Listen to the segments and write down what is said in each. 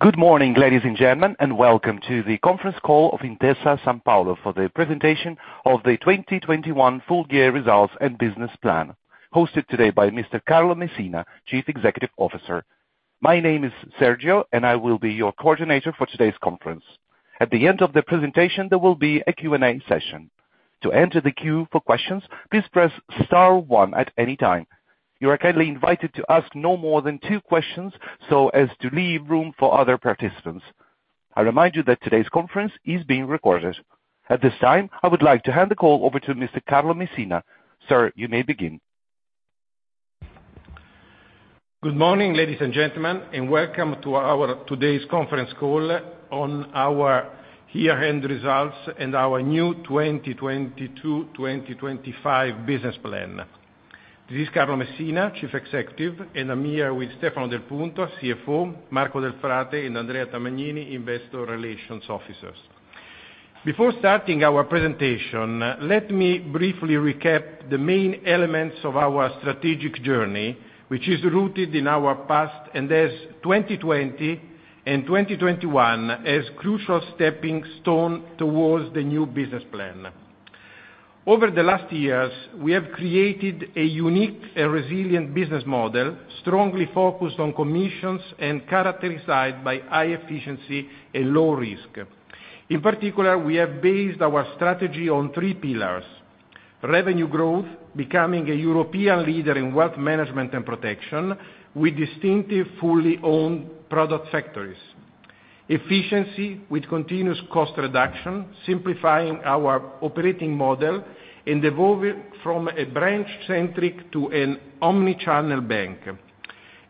Good morning, ladies and gentlemen, and welcome to the conference call of Intesa Sanpaolo for the presentation of the 2021 full year results and business plan, hosted today by Mr. Carlo Messina, Chief Executive Officer. My name is Sergio, and I will be your coordinator for today's conference. At the end of the presentation, there will be a Q&A session. To enter the queue for questions, please press star one at any time. You are kindly invited to ask no more than two questions so as to leave room for other participants. I remind you that today's conference is being recorded. At this time, I would like to hand the call over to Mr. Carlo Messina. Sir, you may begin. Good morning, ladies and gentlemen, and welcome to our today's conference call on our year-end results and our new 2020 to 2025 business plan. This is Carlo Messina, Chief Executive, and I'm here with Stefano Del Punta, CFO, Marco Delfrate and Andrea Tamagnini, investor relations officers. Before starting our presentation, let me briefly recap the main elements of our strategic journey, which is rooted in our past, and as 2020 and 2021 as crucial stepping stone towards the new business plan. Over the last years, we have created a unique and resilient business model, strongly focused on commissions and characterized by high efficiency and low risk. In particular, we have based our strategy on three pillars. Revenue growth, becoming a European leader in wealth management and protection with distinctive, fully owned product factories. Efficiency with continuous cost reduction, simplifying our operating model and evolving from a branch-centric to an omni-channel bank.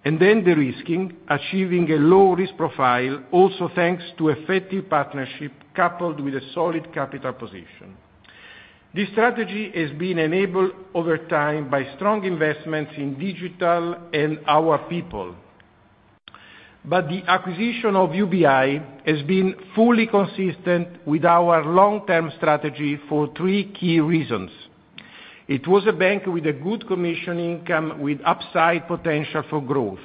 Derisking, achieving a low risk profile also thanks to effective partnership coupled with a solid capital position. This strategy has been enabled over time by strong investments in digital and our people. The acquisition of UBI has been fully consistent with our long-term strategy for three key reasons. It was a bank with a good commission income with upside potential for growth.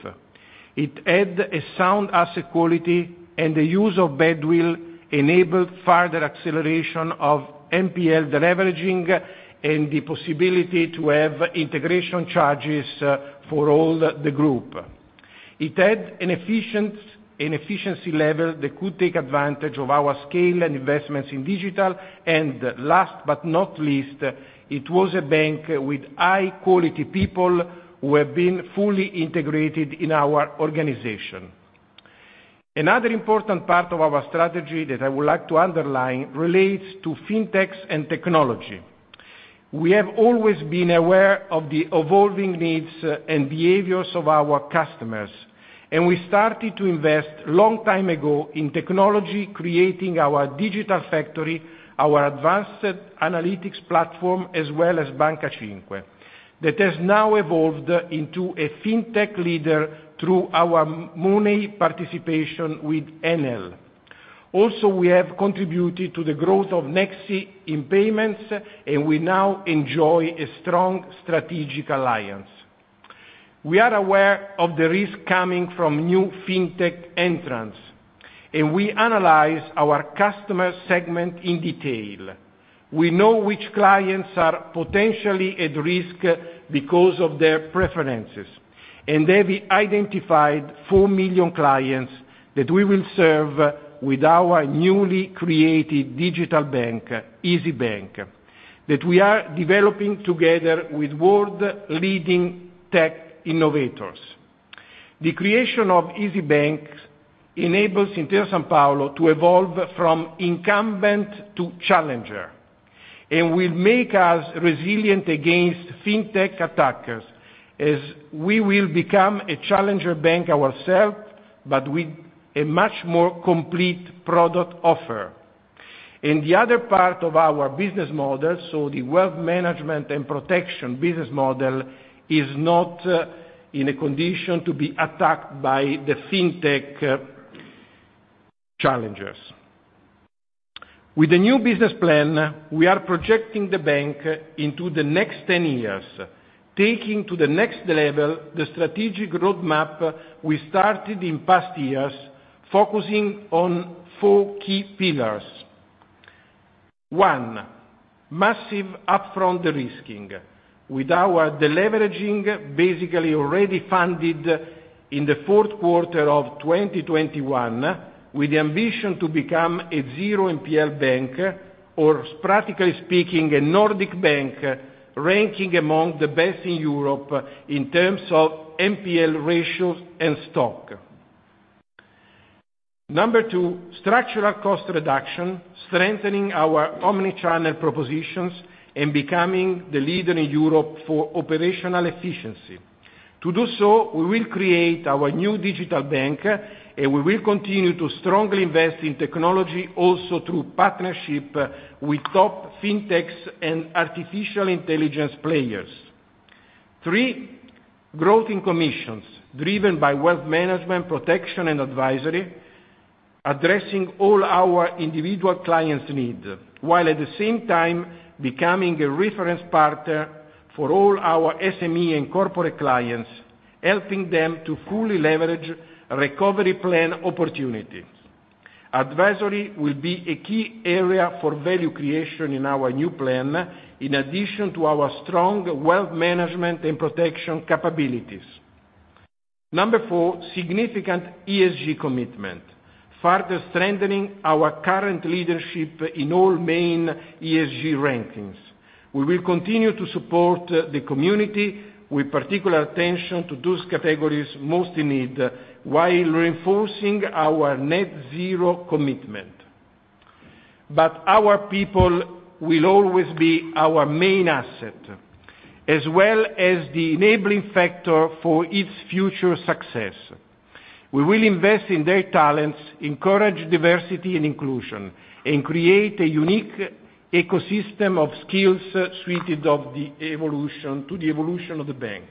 It had a sound asset quality, and the use of bad will enabled further acceleration of NPL deleveraging and the possibility to have integration charges for all the group. It had an efficiency level that could take advantage of our scale and investments in digital, and last but not least, it was a bank with high-quality people who have been fully integrated in our organization. Another important part of our strategy that I would like to underline relates to fintechs and technology. We have always been aware of the evolving needs and behaviors of our customers, and we started to invest long time ago in technology, creating our digital factory, our advanced analytics platform, as well as Banca 5, that has now evolved into a fintech leader through our Mooney participation with Enel. Also, we have contributed to the growth of Nexi in payments, and we now enjoy a strong strategic alliance. We are aware of the risk coming from new fintech entrants, and we analyze our customer segment in detail. We know which clients are potentially at risk because of their preferences, and they've identified 4 million clients that we will serve with our newly created digital bank, Isybank, that we are developing together with world-leading tech innovators.e creation of Isybank enables Intesa Sanpaolo to evolve from incumbent to challenger and will make us resilient against fintech attackers as we will become a challenger bank ourselves, but with a much more complete product offer. In the other part of our business model, so the wealth management and protection business model, is not in a condition to be attacked by the fintech challengers. With the new business plan, we are projecting the bank into the next 10 years, taking to the next level the strategic roadmap we started in past years, focusing on 4 key pillars. One, massive upfront de-risking. With our deleveraging basically already funded in Q4 of 2021, with the ambition to become a 0 NPL bank, or practically speaking, a Nordic bank ranking among the best in Europe in terms of NPL ratios and stock. Number two, structural cost reduction, strengthening our omni-channel propositions, and becoming the leader in Europe for operational efficiency. To do so, we will create our new digital bank, and we will continue to strongly invest in technology also through partnership with top fintechs and artificial intelligence players. Three, growth in commissions driven by wealth management, protection and advisory. Addressing all our individual clients' needs, while at the same time becoming a reference partner for all our SME and corporate clients, helping them to fully leverage recovery plan opportunities. Advisory will be a key area for value creation in our new plan, in addition to our strong wealth management and protection capabilities. Number four, significant ESG commitment, further strengthening our current leadership in all main ESG rankings. We will continue to support the community with particular attention to those categories most in need, while reinforcing our net zero commitment. Our people will always be our main asset, as well as the enabling factor for its future success. We will invest in their talents, encourage diversity and inclusion, and create a unique ecosystem of skills suited to the evolution of the bank.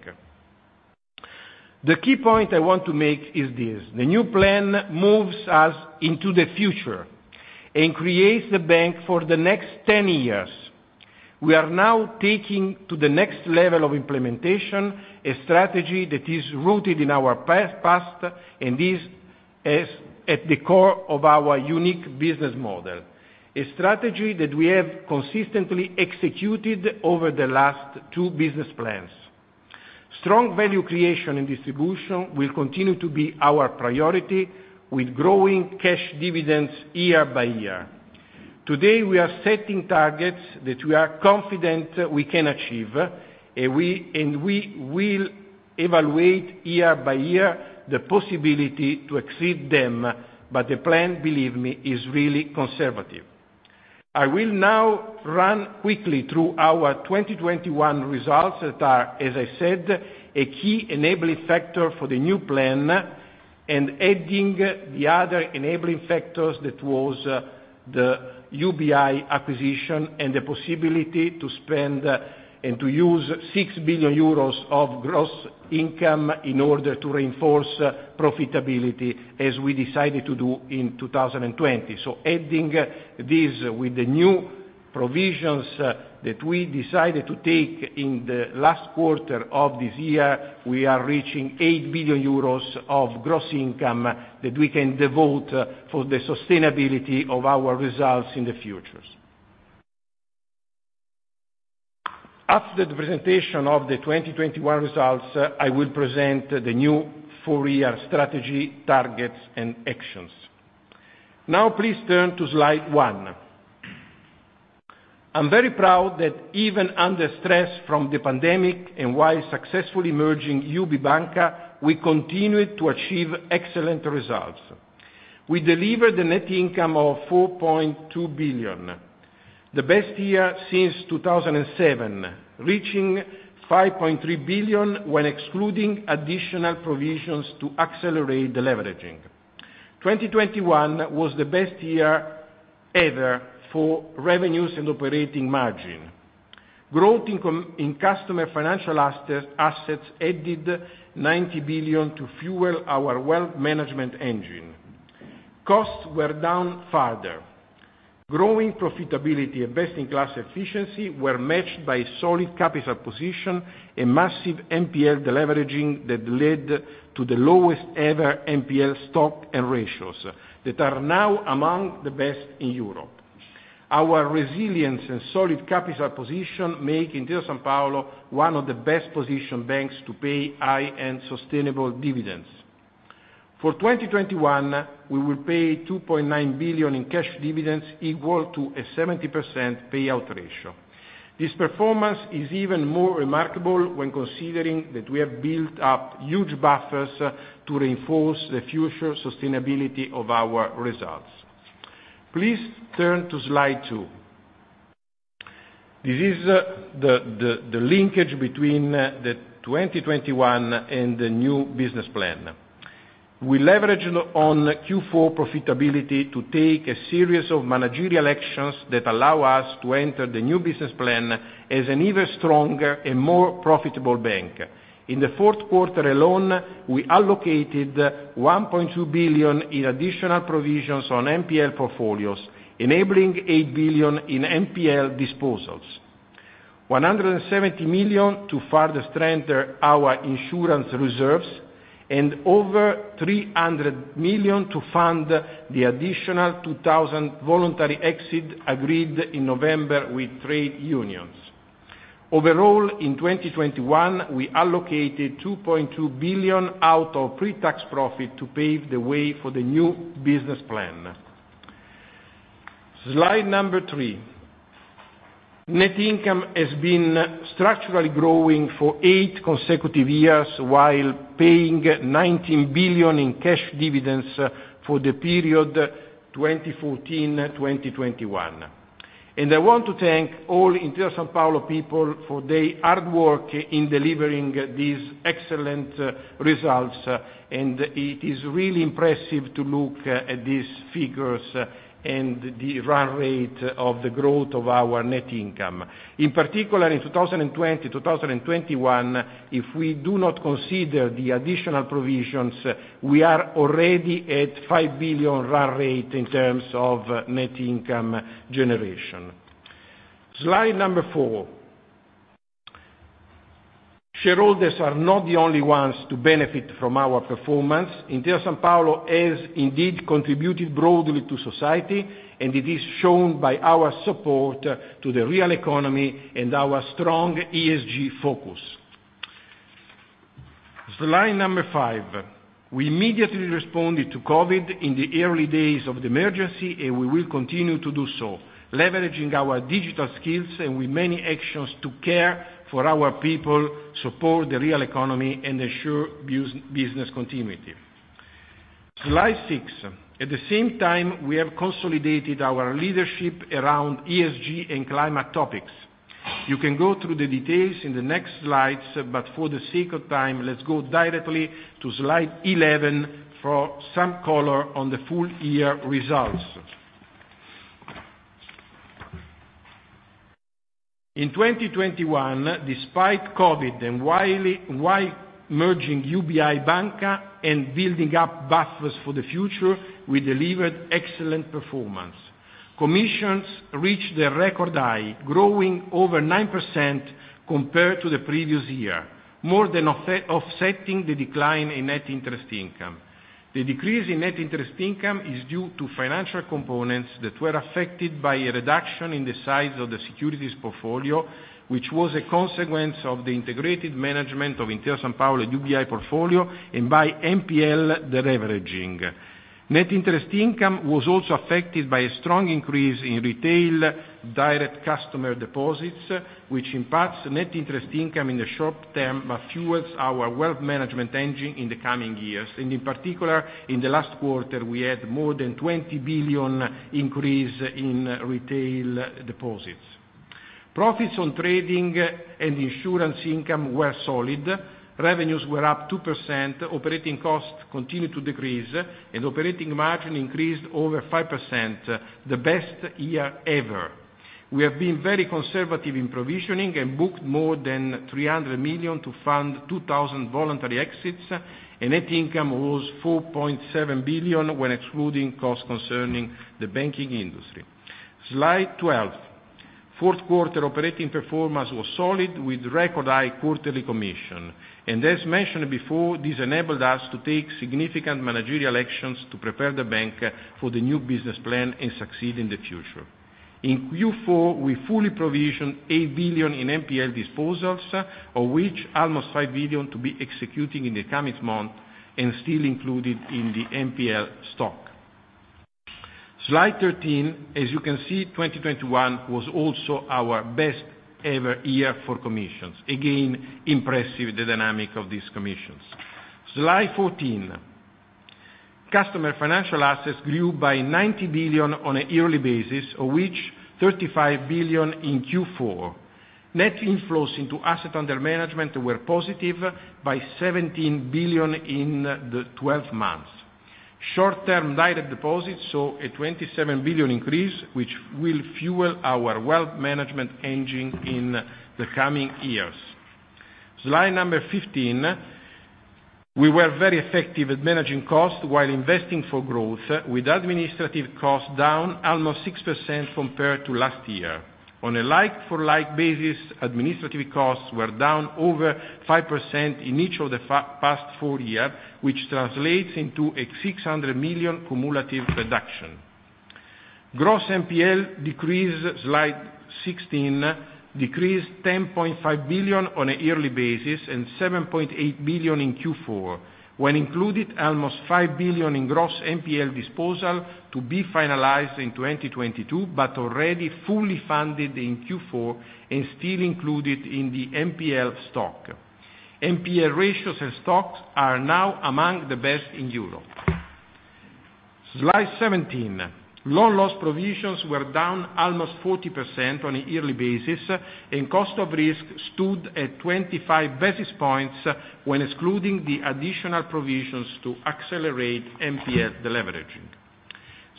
The key point I want to make is this, the new plan moves us into the future and creates the bank for the next 10 years. We are now taking to the next level of implementation, a strategy that is rooted in our past, and is at the core of our unique business model, a strategy that we have consistently executed over the last two business plans. Strong value creation and distribution will continue to be our priority, with growing cash dividends year by year. Today, we are setting targets that we are confident we can achieve, and we will evaluate year by year the possibility to exceed them. The plan, believe me, is really conservative. I will now run quickly through our 2021 results that are, as I said, a key enabling factor for the new plan, and adding the other enabling factors that was the UBI acquisition and the possibility to spend and to use 6 billion euros of gross income in order to reinforce profitability as we decided to do in 2020. Adding this with the new provisions that we decided to take in the last quarter of this year, we are reaching 8 billion euros of gross income that we can devote for the sustainability of our results in the future. After the presentation of the 2021 results, I will present the new four-year strategy, targets, and actions. Now please turn to slide one. I'm very proud that even under stress from the pandemic, and while successfully merging UBI Banca, we continued to achieve excellent results. We delivered a net income of 4.2 billion, the best year since 2007, reaching 5.3 billion when excluding additional provisions to accelerate deleveraging. 2021 was the best year ever for revenues and operating margin. Growth in customer financial assets added 90 billion to fuel our wealth management engine. Costs were down further. Growing profitability and best-in-class efficiency were matched by solid capital position and massive NPL deleveraging that led to the lowest ever NPL stock and ratios that are now among the best in Europe. Our resilience and solid capital position make Intesa Sanpaolo one of the best-positioned banks to pay high-end sustainable dividends. For 2021, we will pay 2.9 billion in cash dividends equal to a 70% payout ratio. This performance is even more remarkable when considering that we have built up huge buffers to reinforce the future sustainability of our results. Please turn to slide 2. This is the linkage between the 2021 and the new business plan. We leverage on Q4 profitability to take a series of managerial actions that allow us to enter the new business plan as an even stronger and more profitable bank. In the Q4 alone, we allocated 1.2 billion in additional provisions on NPL portfolios, enabling 8 billion in NPL disposals, 170 million to further strengthen our insurance reserves, and over 300 million to fund the additional 2,000 voluntary exits agreed in November with trade unions. Overall, in 2021, we allocated 2.2 billion out of pre-tax profit to pave the way for the new business plan. Slide number three. Net income has been structurally growing for 8 consecutive years, while paying 19 billion in cash dividends for the period 2014, 2021. I want to thank all Intesa Sanpaolo people for their hard work in delivering these excellent results, and it is really impressive to look at these figures and the run rate of the growth of our net income. In particular, in 2020, 2021, if we do not consider the additional provisions, we are already at 5 billion run rate in terms of net income generation. Slide number 4. Shareholders are not the only ones to benefit from our performance. Intesa Sanpaolo has indeed contributed broadly to society, and it is shown by our support to the real economy and our strong ESG focus. Slide number 5. We immediately responded to COVID in the early days of the emergency, and we will continue to do so, leveraging our digital skills and with many actions to care for our people, support the real economy, and ensure business continuity. Slide 6. At the same time, we have consolidated our leadership around ESG and climate topics. You can go through the details in the next slides, but for the sake of time, let's go directly to slide 11 for some color on the full year results. In 2021, despite COVID and while merging UBI Banca and building up buffers for the future, we delivered excellent performance. Commissions reached their record high, growing over 9% compared to the previous year, more than offsetting the decline in net interest income. The decrease in net interest income is due to financial components that were affected by a reduction in the size of the securities portfolio, which was a consequence of the integrated management of Intesa Sanpaolo and UBI portfolio and by NPL deleveraging. Net interest income was also affected by a strong increase in retail direct customer deposits, which impacts net interest income in the short term, but fuels our wealth management engine in the coming years. In particular, in the last quarter, we had more than 20 billion increase in retail deposits. Profits on trading and insurance income were solid. Revenues were up 2%. Operating costs continued to decrease. Operating margin increased over 5%, the best year ever. We have been very conservative in provisioning and booked more than 300 million to fund 2,000 voluntary exits, and net income was 4.7 billion when excluding costs concerning the banking industry. Slide 12. Fourth quarter operating performance was solid with record high quarterly commission. As mentioned before, this enabled us to take significant managerial actions to prepare the bank for the new business plan and succeed in the future. In Q4, we fully provisioned 8 billion in NPL disposals, of which almost 5 billion to be executing in the coming month and still included in the NPL stock. Slide 13. As you can see, 2021 was also our best ever year for commissions. Again, impressive, the dynamic of these commissions. Slide 14. Customer financial assets grew by 90 billion on a yearly basis, of which 35 billion in Q4. Net inflows into assets under management were positive by 17 billion in the twelve months. Short-term direct deposits saw a 27 billion increase, which will fuel our wealth management engine in the coming years. Slide 15. We were very effective at managing costs while investing for growth, with administrative costs down almost 6% compared to last year. On a like-for-like basis, administrative costs were down over 5% in each of the past four years, which translates into a 600 million cumulative reduction. Gross NPL decrease, slide 16, decreased 10.5 billion on a yearly basis and 7.8 billion in Q4, when included almost 5 billion in gross NPL disposal to be finalized in 2022, but already fully funded in Q4 and still included in the NPL stock. NPL ratios and stocks are now among the best in Europe. Slide 17. Loan loss provisions were down almost 40% on a yearly basis, and cost of risk stood at 25 basis points when excluding the additional provisions to accelerate NPL deleveraging.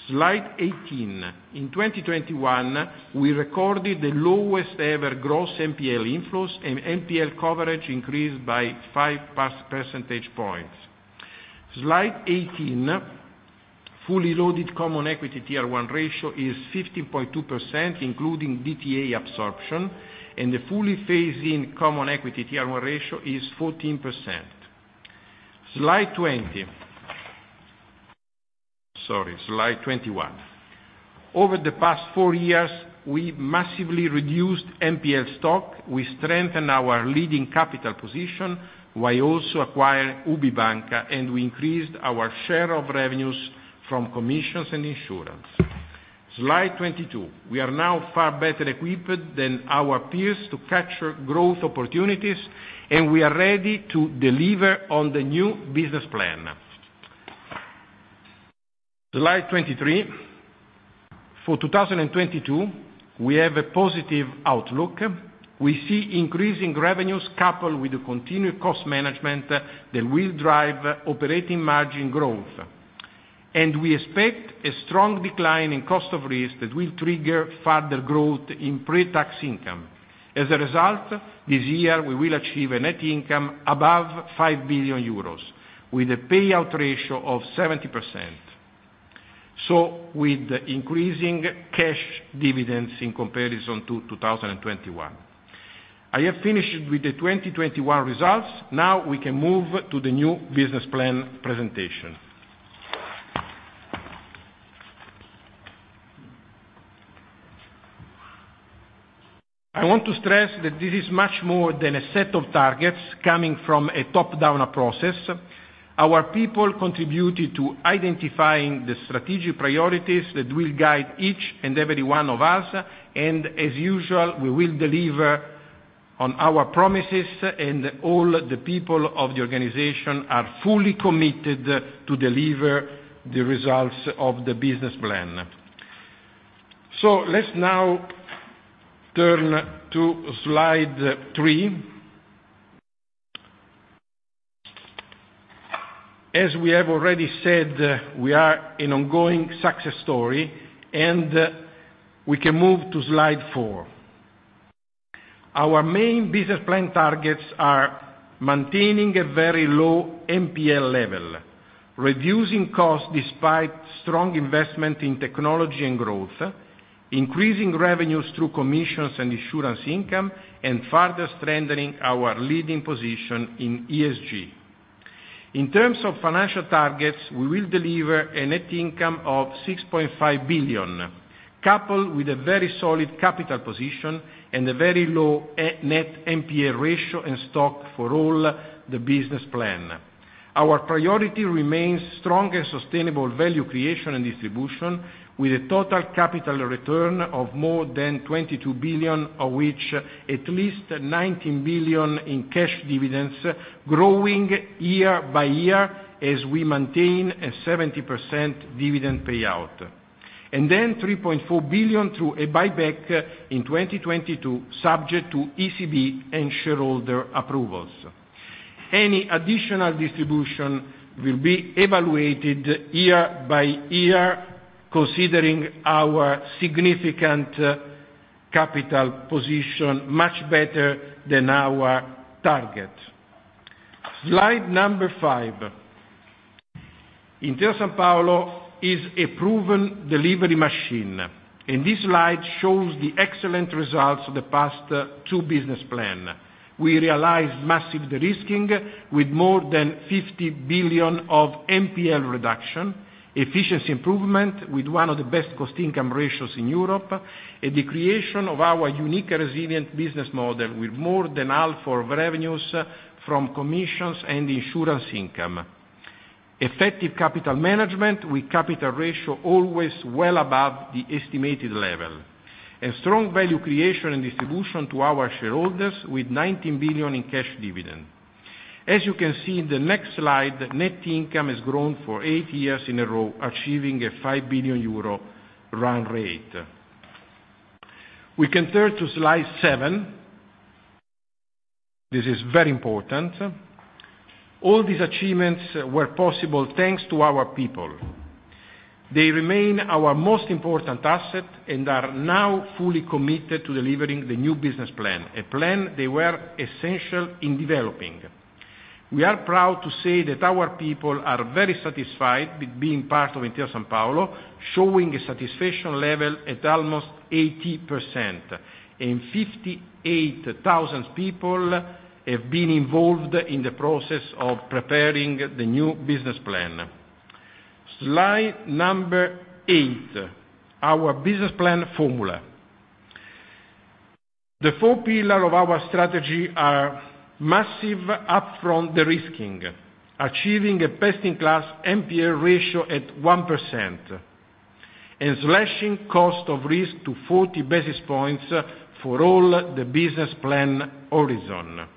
Slide 18. In 2021, we recorded the lowest ever gross NPL inflows, and NPL coverage increased by five percentage points. Slide 18, fully loaded Common Equity Tier 1 ratio is 15.2%, including DTA absorption, and the fully phasing Common Equity Tier 1 ratio is 14%. Slide 20. Sorry, Slide 21. Over the past four years, we've massively reduced NPL stock. We strengthen our leading capital position while also acquire UBI Banca, and we increased our share of revenues from commissions and insurance. Slide 22. We are now far better equipped than our peers to capture growth opportunities, and we are ready to deliver on the new business plan. Slide 23. For 2022, we have a positive outlook. We see increasing revenues coupled with the continued cost management that will drive operating margin growth. We expect a strong decline in cost of risk that will trigger further growth in pre-tax income. As a result, this year we will achieve a net income above 5 billion euros with a payout ratio of 70%. With increasing cash dividends in comparison to 2021. I have finished with the 2021 results. Now we can move to the new business plan presentation. I want to stress that this is much more than a set of targets coming from a top-down process. Our people contributed to identifying the strategic priorities that will guide each and every one of us, and as usual, we will deliver on our promises, and all the people of the organization are fully committed to deliver the results of the business plan. Let's now turn to slide 3. As we have already said, we are an ongoing success story, and we can move to slide four. Our main business plan targets are maintaining a very low NPL level, reducing costs despite strong investment in technology and growth, increasing revenues through commissions and insurance income, and further strengthening our leading position in ESG. In terms of financial targets, we will deliver a net income of 6.5 billion, coupled with a very solid capital position and a very low net NPL ratio in stock for all the business plan. Our priority remains strong and sustainable value creation and distribution, with a total capital return of more than 22 billion, of which at least 19 billion in cash dividends growing year by year as we maintain a 70% dividend payout. Three point four billion through a buyback in 2022 subject to ECB and shareholder approvals. Any additional distribution will be evaluated year by year considering our significant capital position much better than our target. Slide 5. Intesa Sanpaolo is a proven delivery machine, and this slide shows the excellent results of the past two business plan. We realized massive de-risking with more than 50 billion of NPL reduction, efficiency improvement with one of the best cost income ratios in Europe, and the creation of our unique resilient business model with more than half of revenues from commissions and insurance income. Effective capital management with capital ratio always well above the estimated level. A strong value creation and distribution to our shareholders with 19 billion in cash dividend. As you can see in the next slide, net income has grown for 8 years in a row, achieving a 5 billion euro run rate. We can turn to slide 7. This is very important. All these achievements were possible thanks to our people. They remain our most important asset and are now fully committed to delivering the new business plan, a plan they were essential in developing. We are proud to say that our people are very satisfied with being part of Intesa Sanpaolo, showing a satisfaction level at almost 80%. Fifty-eight thousand people have been involved in the process of preparing the new business plan. Slide number 8, our business plan formula. The four pillar of our strategy are massive upfront de-risking, achieving a best-in-class NPL ratio at 1%, and slashing cost of risk to 40 basis points for all the business plan horizon.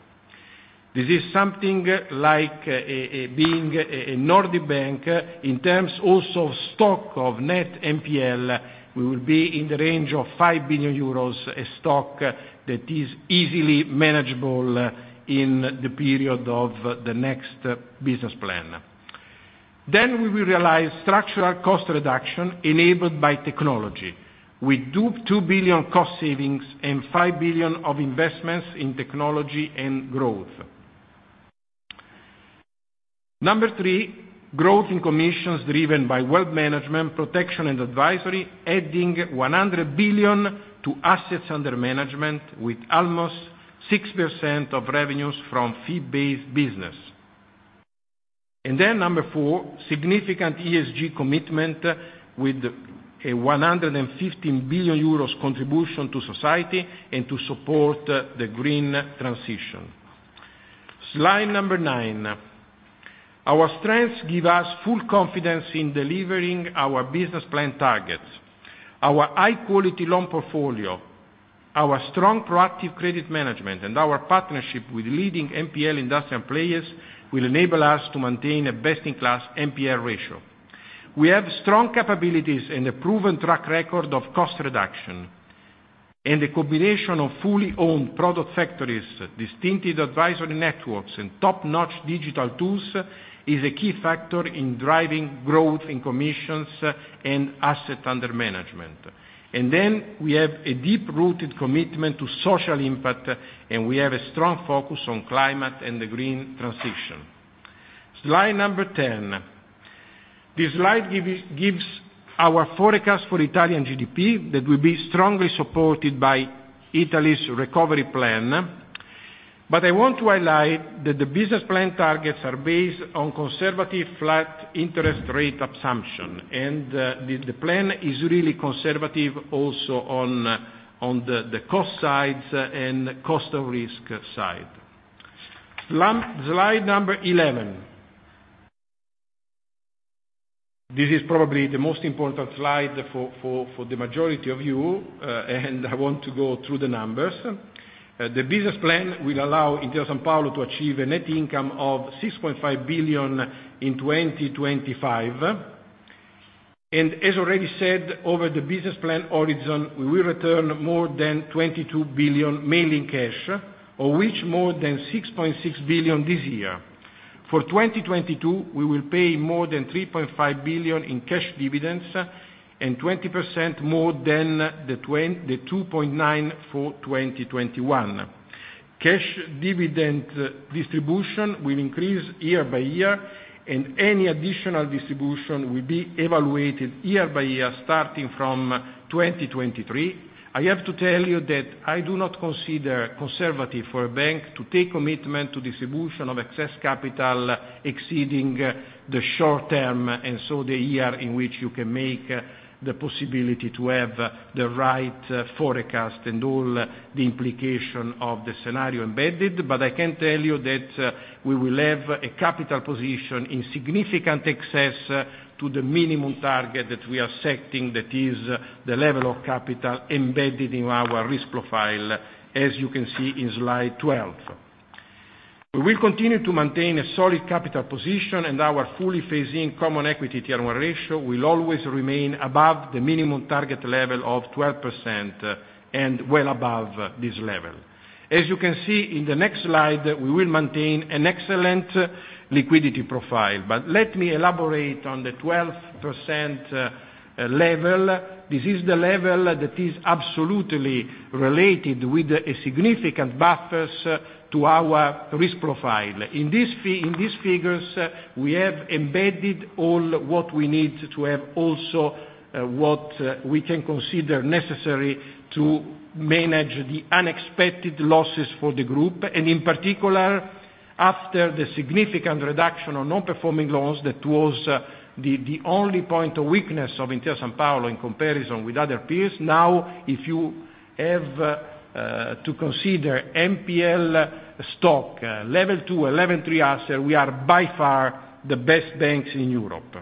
This is something like being a Nordic bank in terms also of stock of net NPL. We will be in the range of 5 billion euros, a stock that is easily manageable in the period of the next business plan. We will realize structural cost reduction enabled by technology with 2 billion cost savings and 5 billion of investments in technology and growth. Number three, growth in commissions driven by wealth management, protection, and advisory, adding 100 billion to assets under management with almost 6% of revenues from fee-based business. Then number four, significant ESG commitment with a 150 billion euros contribution to society and to support the green transition. Slide 9. Our strengths give us full confidence in delivering our business plan targets. Our high-quality loan portfolio, our strong proactive credit management, and our partnership with leading NPL industrial players will enable us to maintain a best-in-class NPL ratio. We have strong capabilities and a proven track record of cost reduction. The combination of fully owned product factories, distinctive advisory networks, and top-notch digital tools is a key factor in driving growth in commissions and assets under management. We have a deep-rooted commitment to social impact, and we have a strong focus on climate and the green transition. Slide number 10. This slide gives our forecast for Italian GDP that will be strongly supported by Italy's recovery plan. I want to highlight that the business plan targets are based on conservative flat interest rate assumption, and the plan is really conservative also on the cost sides and cost of risk side. Slide number 11. This is probably the most important slide for the majority of you, and I want to go through the numbers. The business plan will allow Intesa Sanpaolo to achieve a net income of 6.5 billion in 2025. As already said, over the business plan horizon, we will return more than 22 billion, mainly in cash, of which more than 6.6 billion this year. For 2022, we will pay more than 3.5 billion in cash dividends, and 20% more than the 2.9 for 2021. Cash dividend distribution will increase year by year, and any additional distribution will be evaluated year by year, starting from 2023. I have to tell you that I do not consider conservative for a bank to take commitment to distribution of excess capital exceeding the short term, and so the year in which you can make the possibility to have the right forecast and all the implication of the scenario embedded. I can tell you that we will have a capital position in significant excess to the minimum target that we are setting, that is the level of capital embedded in our risk profile, as you can see in slide 12. We will continue to maintain a solid capital position, and our fully phasing common equity Tier 1 ratio will always remain above the minimum target level of 12%, and well above this level. As you can see in the next slide, we will maintain an excellent liquidity profile. Let me elaborate on the 12% level. This is the level that is absolutely related with a significant buffers to our risk profile. In these figures, we have embedded all what we need to have also, what we can consider necessary to manage the unexpected losses for the group, and in particular, after the significant reduction of non-performing loans, that was the only point of weakness of Intesa Sanpaolo in comparison with other peers. Now, if you have to consider NPL stock, level two, level three assets, we are by far the best banks in Europe.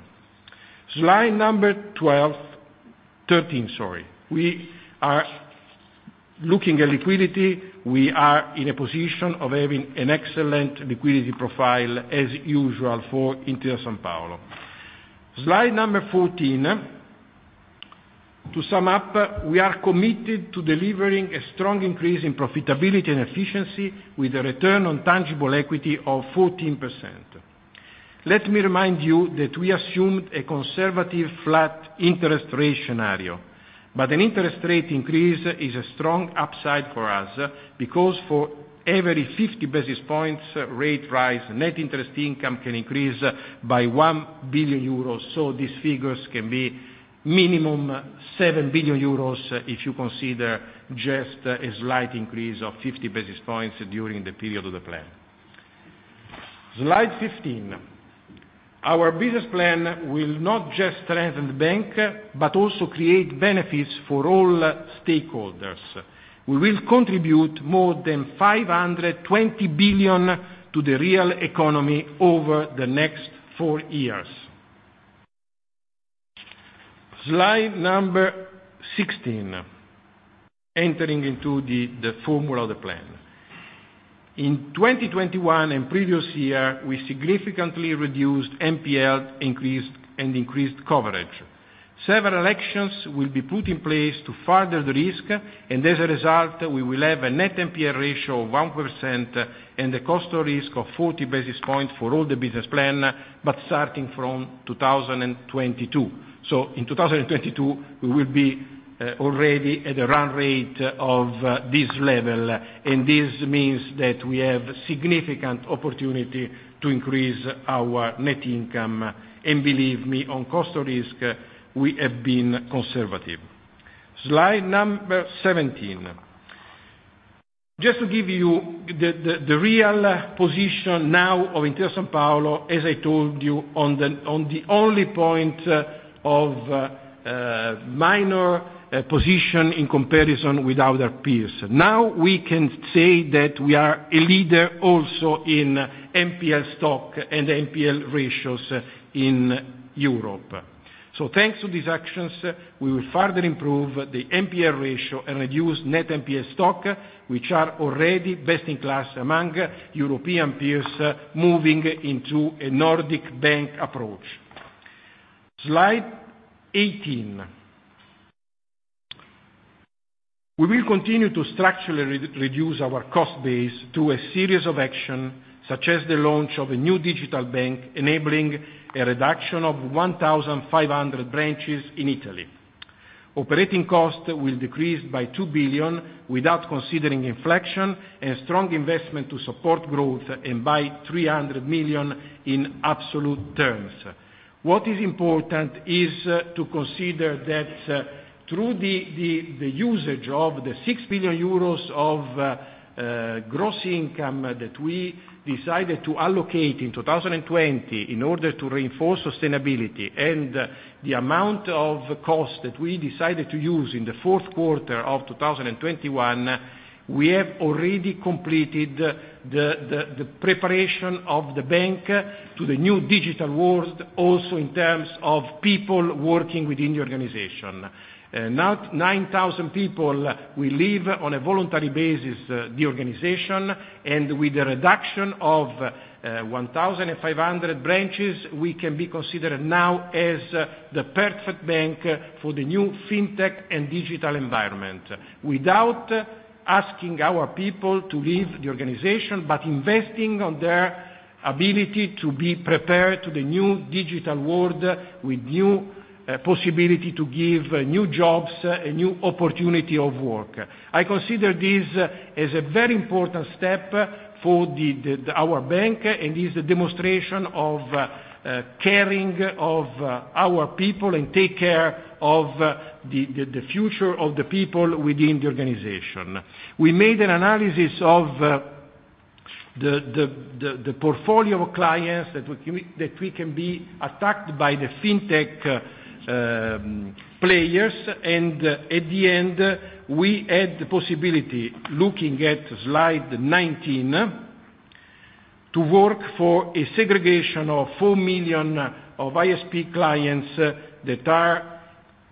Slide number 12. Thirteen, sorry. We are looking at liquidity. We are in a position of having an excellent liquidity profile as usual for Intesa Sanpaolo. Slide number 14. To sum up, we are committed to delivering a strong increase in profitability and efficiency with a return on tangible equity of 14%. Let me remind you that we assumed a conservative flat interest rate scenario, but an interest rate increase is a strong upside for us because for every 50 basis points rate rise, net interest income can increase by 1 billion euros. These figures can be minimum 7 billion euros if you consider just a slight increase of 50 basis points during the period of the plan. Slide 15. Our business plan will not just strengthen the bank, but also create benefits for all stakeholders. We will contribute more than 520 billion to the real economy over the next four years. Slide number 16, entering into the formula of the plan. In 2021 and previous year, we significantly reduced NPLs and increased coverage. Several actions will be put in place to further de-risk, and as a result, we will have a net NPL ratio of 1% and a cost of risk of 40 basis points for the whole business plan, but starting from 2022. In 2022, we will be already at a run rate of this level, and this means that we have significant opportunity to increase our net income. Believe me, on cost of risk, we have been conservative. Slide 17. Just to give you the real position now of Intesa Sanpaolo, as I told you on the only point of minor position in comparison with other peers. Now we can say that we are a leader also in NPL stock and NPL ratios in Europe. Thanks to these actions, we will further improve the NPL ratio and reduce net NPL stock, which are already best in class among European peers, moving into a Nordic bank approach. Slide 18. We will continue to structurally reduce our cost base through a series of actions, such as the launch of a new digital bank, enabling a reduction of 1,500 branches in Italy. Operating costs will decrease by 2 billion without considering inflation and strong investment to support growth and by 300 million in absolute terms. What is important is to consider that through the usage of the 6 billion euros of gross income that we decided to allocate in 2020 in order to reinforce sustainability and the amount of cost that we decided to use in Q4 of 2021, we have already completed the preparation of the bank to the new digital world, also in terms of people working within the organization. Now 9,000 people will leave on a voluntary basis, the organization, and with a reduction of 1,500 branches, we can be considered now as the perfect bank for the new fintech and digital environment. Without asking our people to leave the organization, but investing on their ability to be prepared to the new digital world with new possibility to give new jobs, a new opportunity of work. I consider this as a very important step for our bank, and is a demonstration of caring of our people, and take care of the future of the people within the organization. We made an analysis of the portfolio of clients that we can be attacked by the fintech players, and at the end, we had the possibility, looking at slide 19, to work for a segregation of 4 million of ISP clients that are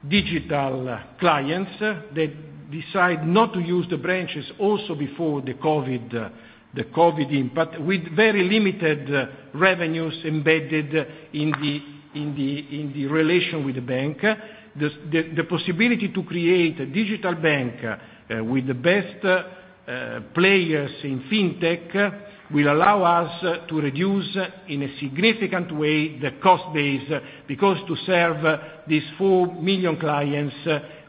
digital clients. They decide not to use the branches also before the COVID, the COVID impact, with very limited revenues embedded in the relation with the bank. The possibility to create a digital bank with the best players in fintech will allow us to reduce, in a significant way, the cost base. Because to serve these 4 million clients,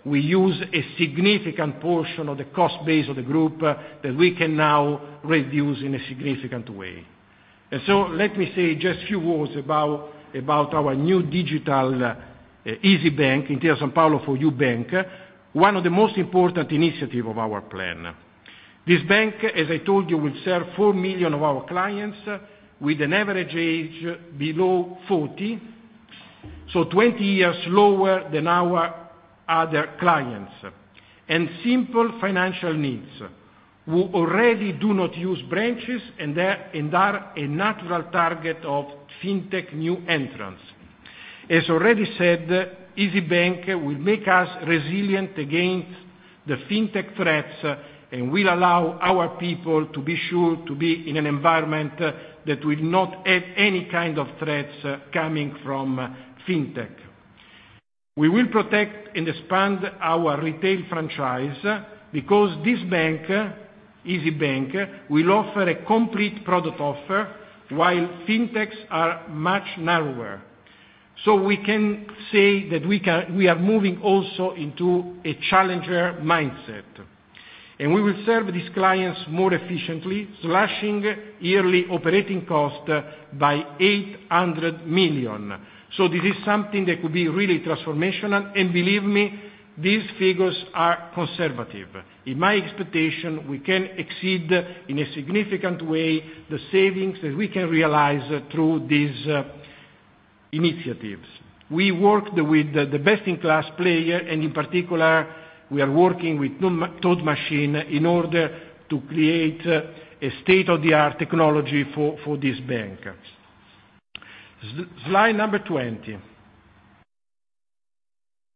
we use a significant portion of the cost base of the group that we can now reduce in a significant way. Let me say just few words about our new digital Isybank, Intesa Sanpaolo for you bank, one of the most important initiative of our plan. This bank, as I told you, will serve 4 million of our clients with an average age below 40, so 20 years lower than our other clients, and simple financial needs. who already do not use branches and are a natural target of fintech new entrants. As already said, Isybank will make us resilient against the fintech threats and will allow our people to be sure to be in an environment that will not have any kind of threats coming from fintech. We will protect and expand our retail franchise because this bank, Isybank, will offer a complete product offer, while fintechs are much narrower. We can say that we are moving also into a challenger mindset. We will serve these clients more efficiently, slashing yearly operating cost by 800 million. This is something that could be really transformational, and believe me, these figures are conservative. In my expectation, we can exceed, in a significant way, the savings that we can realize through these initiatives. We worked with the best-in-class player, and in particular, we are working with Thought Machine in order to create a state-of-the-art technology for this bank. Slide number 20.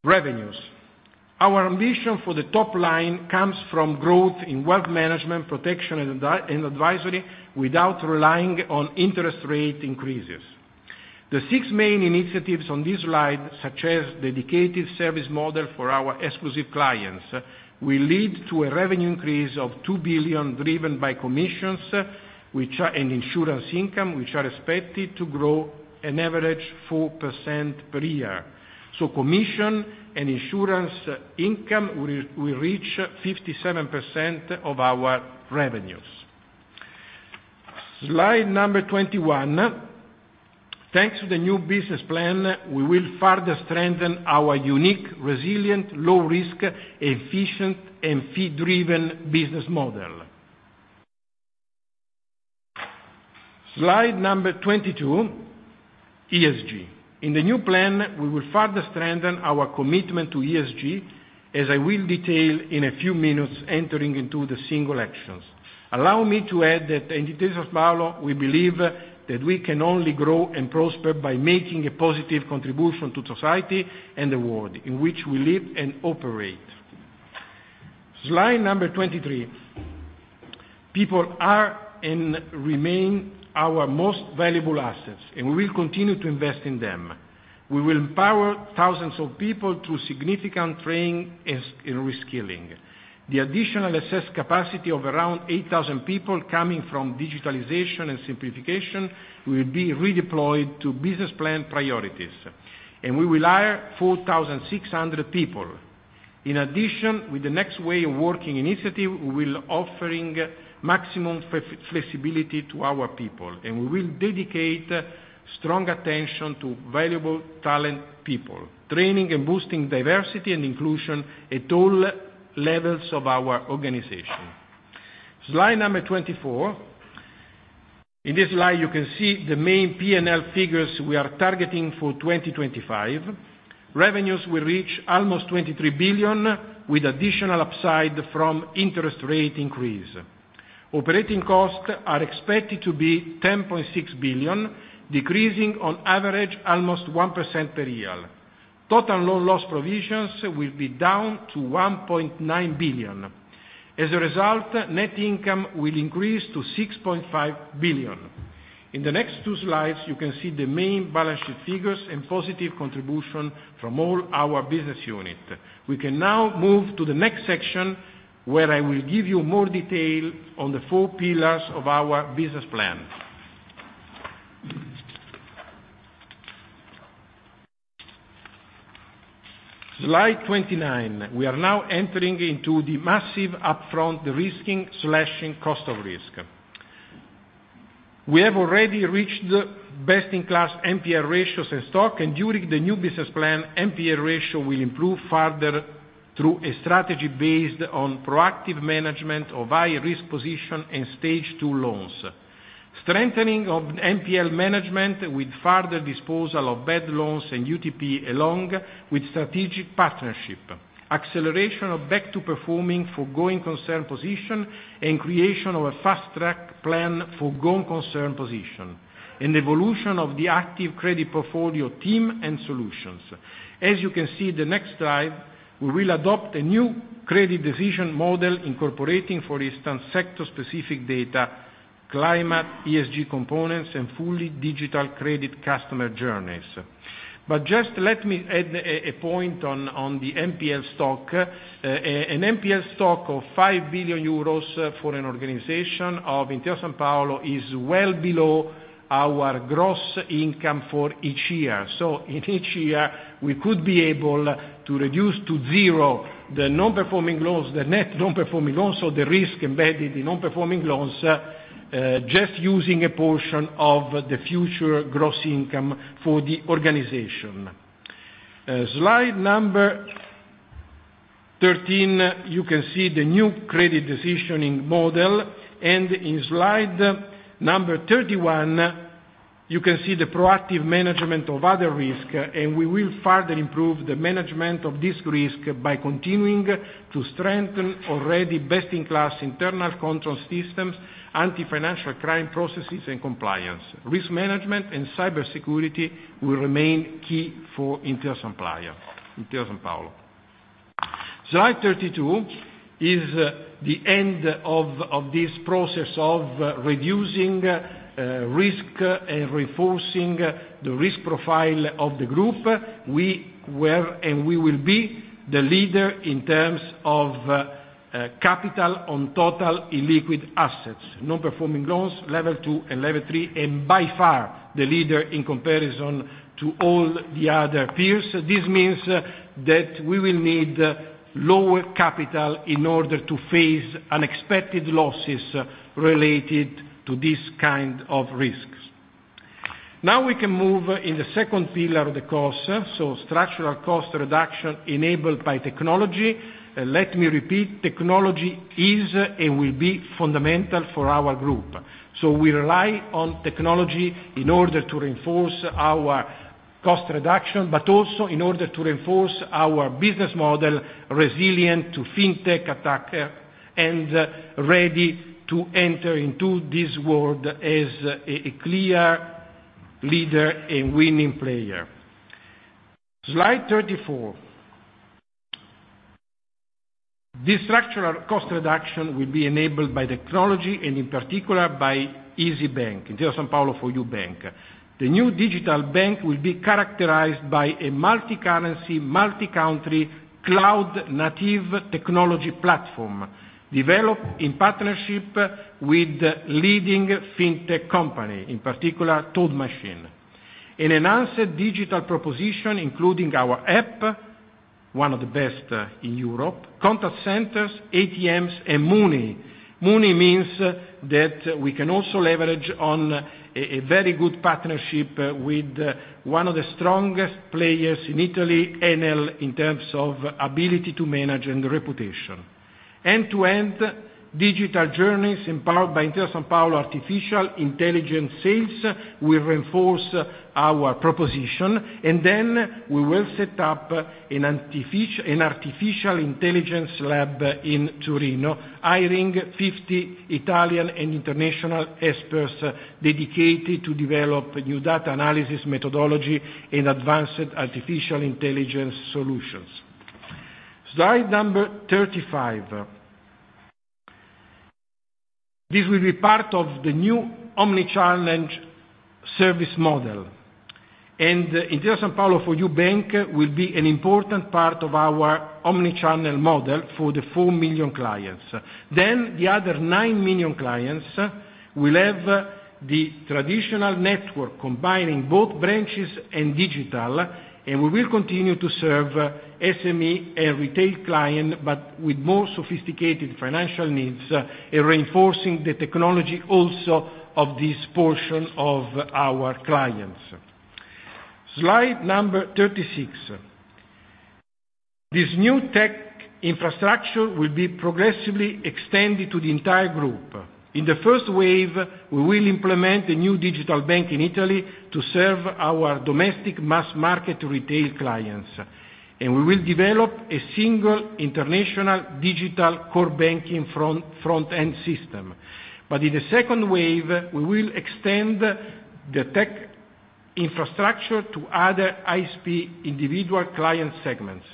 Revenues. Our ambition for the top line comes from growth in wealth management, protection and advisory without relying on interest rate increases. The six main initiatives on this slide, such as dedicated service model for our exclusive clients, will lead to a revenue increase of 2 billion, driven by commissions and insurance income, which are expected to grow an average 4% per year. Commission and insurance income will reach 57% of our revenues. Slide number 21. Thanks to the new business plan, we will further strengthen our unique, resilient, low risk, efficient, and fee-driven business model. Slide number 22, ESG. In the new plan, we will further strengthen our commitment to ESG, as I will detail in a few minutes entering into the single actions. Allow me to add that in Intesa Sanpaolo, we believe that we can only grow and prosper by making a positive contribution to society and the world in which we live and operate. Slide number 23. People are and remain our most valuable assets, and we will continue to invest in them. We will empower thousands of people through significant training and reskilling. The additional assessed capacity of around 8,000 people coming from digitalization and simplification will be redeployed to business plan priorities. We will hire 4,600 people. In addition, with the new way of working initiative, we will offer maximum flexibility to our people, and we will dedicate strong attention to valuable talented people, training and boosting diversity and inclusion at all levels of our organization. Slide number 24. In this slide, you can see the main P&L figures we are targeting for 2025. Revenues will reach almost 23 billion with additional upside from interest rate increase. Operating costs are expected to be 10.6 billion, decreasing on average almost 1% per year. Total loan loss provisions will be down to 1.9 billion. As a result, net income will increase to 6.5 billion. In the next two slides, you can see the main balance sheet figures and positive contribution from all our business unit. We can now move to the next section, where I will give you more detail on the four pillars of our business plan. Slide 29. We are now entering into the massive upfront de-risking, cost of risk. We have already reached best-in-class NPL ratios and stock, and during the new business plan, NPL ratio will improve further through a strategy based on proactive management of high-risk position and Stage Two loans. Strengthening of NPL management with further disposal of bad loans and UTP, along with strategic partnership. Acceleration of back to performing for going concern position and creation of a fast-track plan for going concern position. Evolution of the active credit portfolio team and solutions. As you can see the next slide, we will adopt a new credit decision model incorporating, for instance, sector specific data, climate, ESG components, and fully digital credit customer journeys. Just let me add a point on the NPL stock. An NPL stock of 5 billion euros for an organization of Intesa Sanpaolo is well below our gross income for each year. In each year, we could be able to reduce to zero the non-performing loans, the net non-performing loans or the risk embedded in non-performing loans, just using a portion of the future gross income for the organization. Slide number 13, you can see the new credit decisioning model. In slide number 31, you can see the proactive management of other risk, and we will further improve the management of this risk by continuing to strengthen already best-in-class internal control systems, anti-financial crime processes, and compliance. Risk management and cybersecurity will remain key for Intesa Sanpaolo. Slide 32 is the end of this process of reducing risk, reinforcing the risk profile of the group. We were, and we will be, the leader in terms of capital on total illiquid assets, non-performing loans, Level 2 and Level 3, and by far the leader in comparison to all the other peers. This means that we will need lower capital in order to face unexpected losses related to this kind of risks. Now we can move in the second pillar of the cost, so structural cost reduction enabled by technology. Let me repeat, technology is and will be fundamental for our group. We rely on technology in order to reinforce our cost reduction, but also in order to reinforce our business model resilient to fintech attack and ready to enter into this world as a clear leader and winning player. Slide 34. The structural cost reduction will be enabled by technology and in particular by Isybank, Intesa Sanpaolo for you bank. The new digital bank will be characterized by a multi-currency, multi-country, cloud-native technology platform, developed in partnership with leading fintech company, in particular, Thought Machine. An enhanced digital proposition, including our app, one of the best in Europe, contact centers, ATMs, and Mooney. Mooney means that we can also leverage on a very good partnership with one of the strongest players in Italy, Enel, in terms of ability to manage and reputation. End-to-end digital journeys empowered by Intesa Sanpaolo artificial intelligence sales will reinforce our proposition. We will set up an artificial intelligence lab in Torino, hiring 50 Italian and international experts dedicated to develop new data analysis methodology and advanced artificial intelligence solutions. Slide number 35. This will be part of the new omni-channel service model. Intesa Sanpaolo For You Bank will be an important part of our omni-channel model for the 4 million clients. The other 9 million clients will have the traditional network combining both branches and digital, and we will continue to serve SME and retail client, but with more sophisticated financial needs, in reinforcing the technology also of this portion of our clients. Slide number 36. This new tech infrastructure will be progressively extended to the entire group. In the first wave, we will implement the new digital bank in Italy to serve our domestic mass market retail clients. We will develop a single international digital core banking front-end system. In the second wave, we will extend the tech infrastructure to other ISP individual client segments,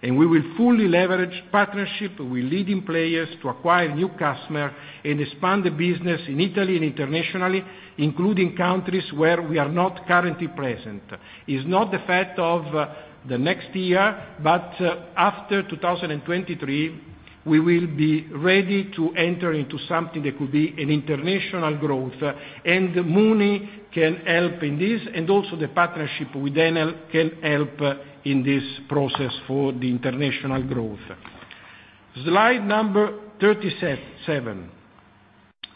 and we will fully leverage partnership with leading players to acquire new customer and expand the business in Italy and internationally, including countries where we are not currently present. It's not for next year, but after 2023, we will be ready to enter into something that could be an international growth, and Mooney can help in this, and also the partnership with Enel can help in this process for the international growth. Slide number 37.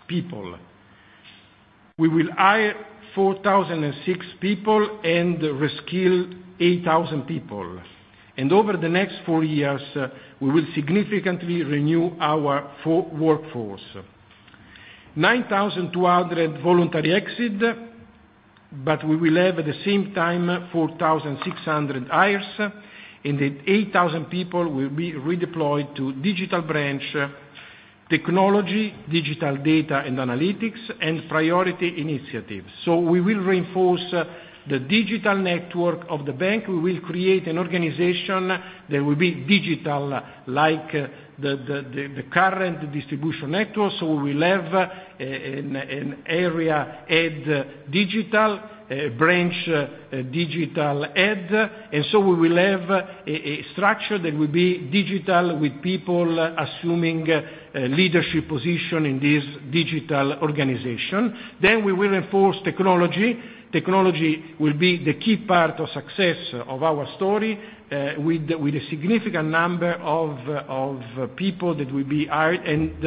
People. We will hire 4,006 people and reskill 8,000 people. Over the next four years, we will significantly renew our workforce. 9,200 voluntary exit, but we will have at the same time 4,600 hires, and then 8,000 people will be redeployed to digital branch, technology, digital data and analytics, and priority initiatives. We will reinforce the digital network of the bank. We will create an organization that will be digital, like the current distribution network. We will have an area head digital, a branch digital head. We will have a structure that will be digital with people assuming leadership position in this digital organization. We will enforce technology. Technology will be the key part of success of our story, with a significant number of people that will be hired and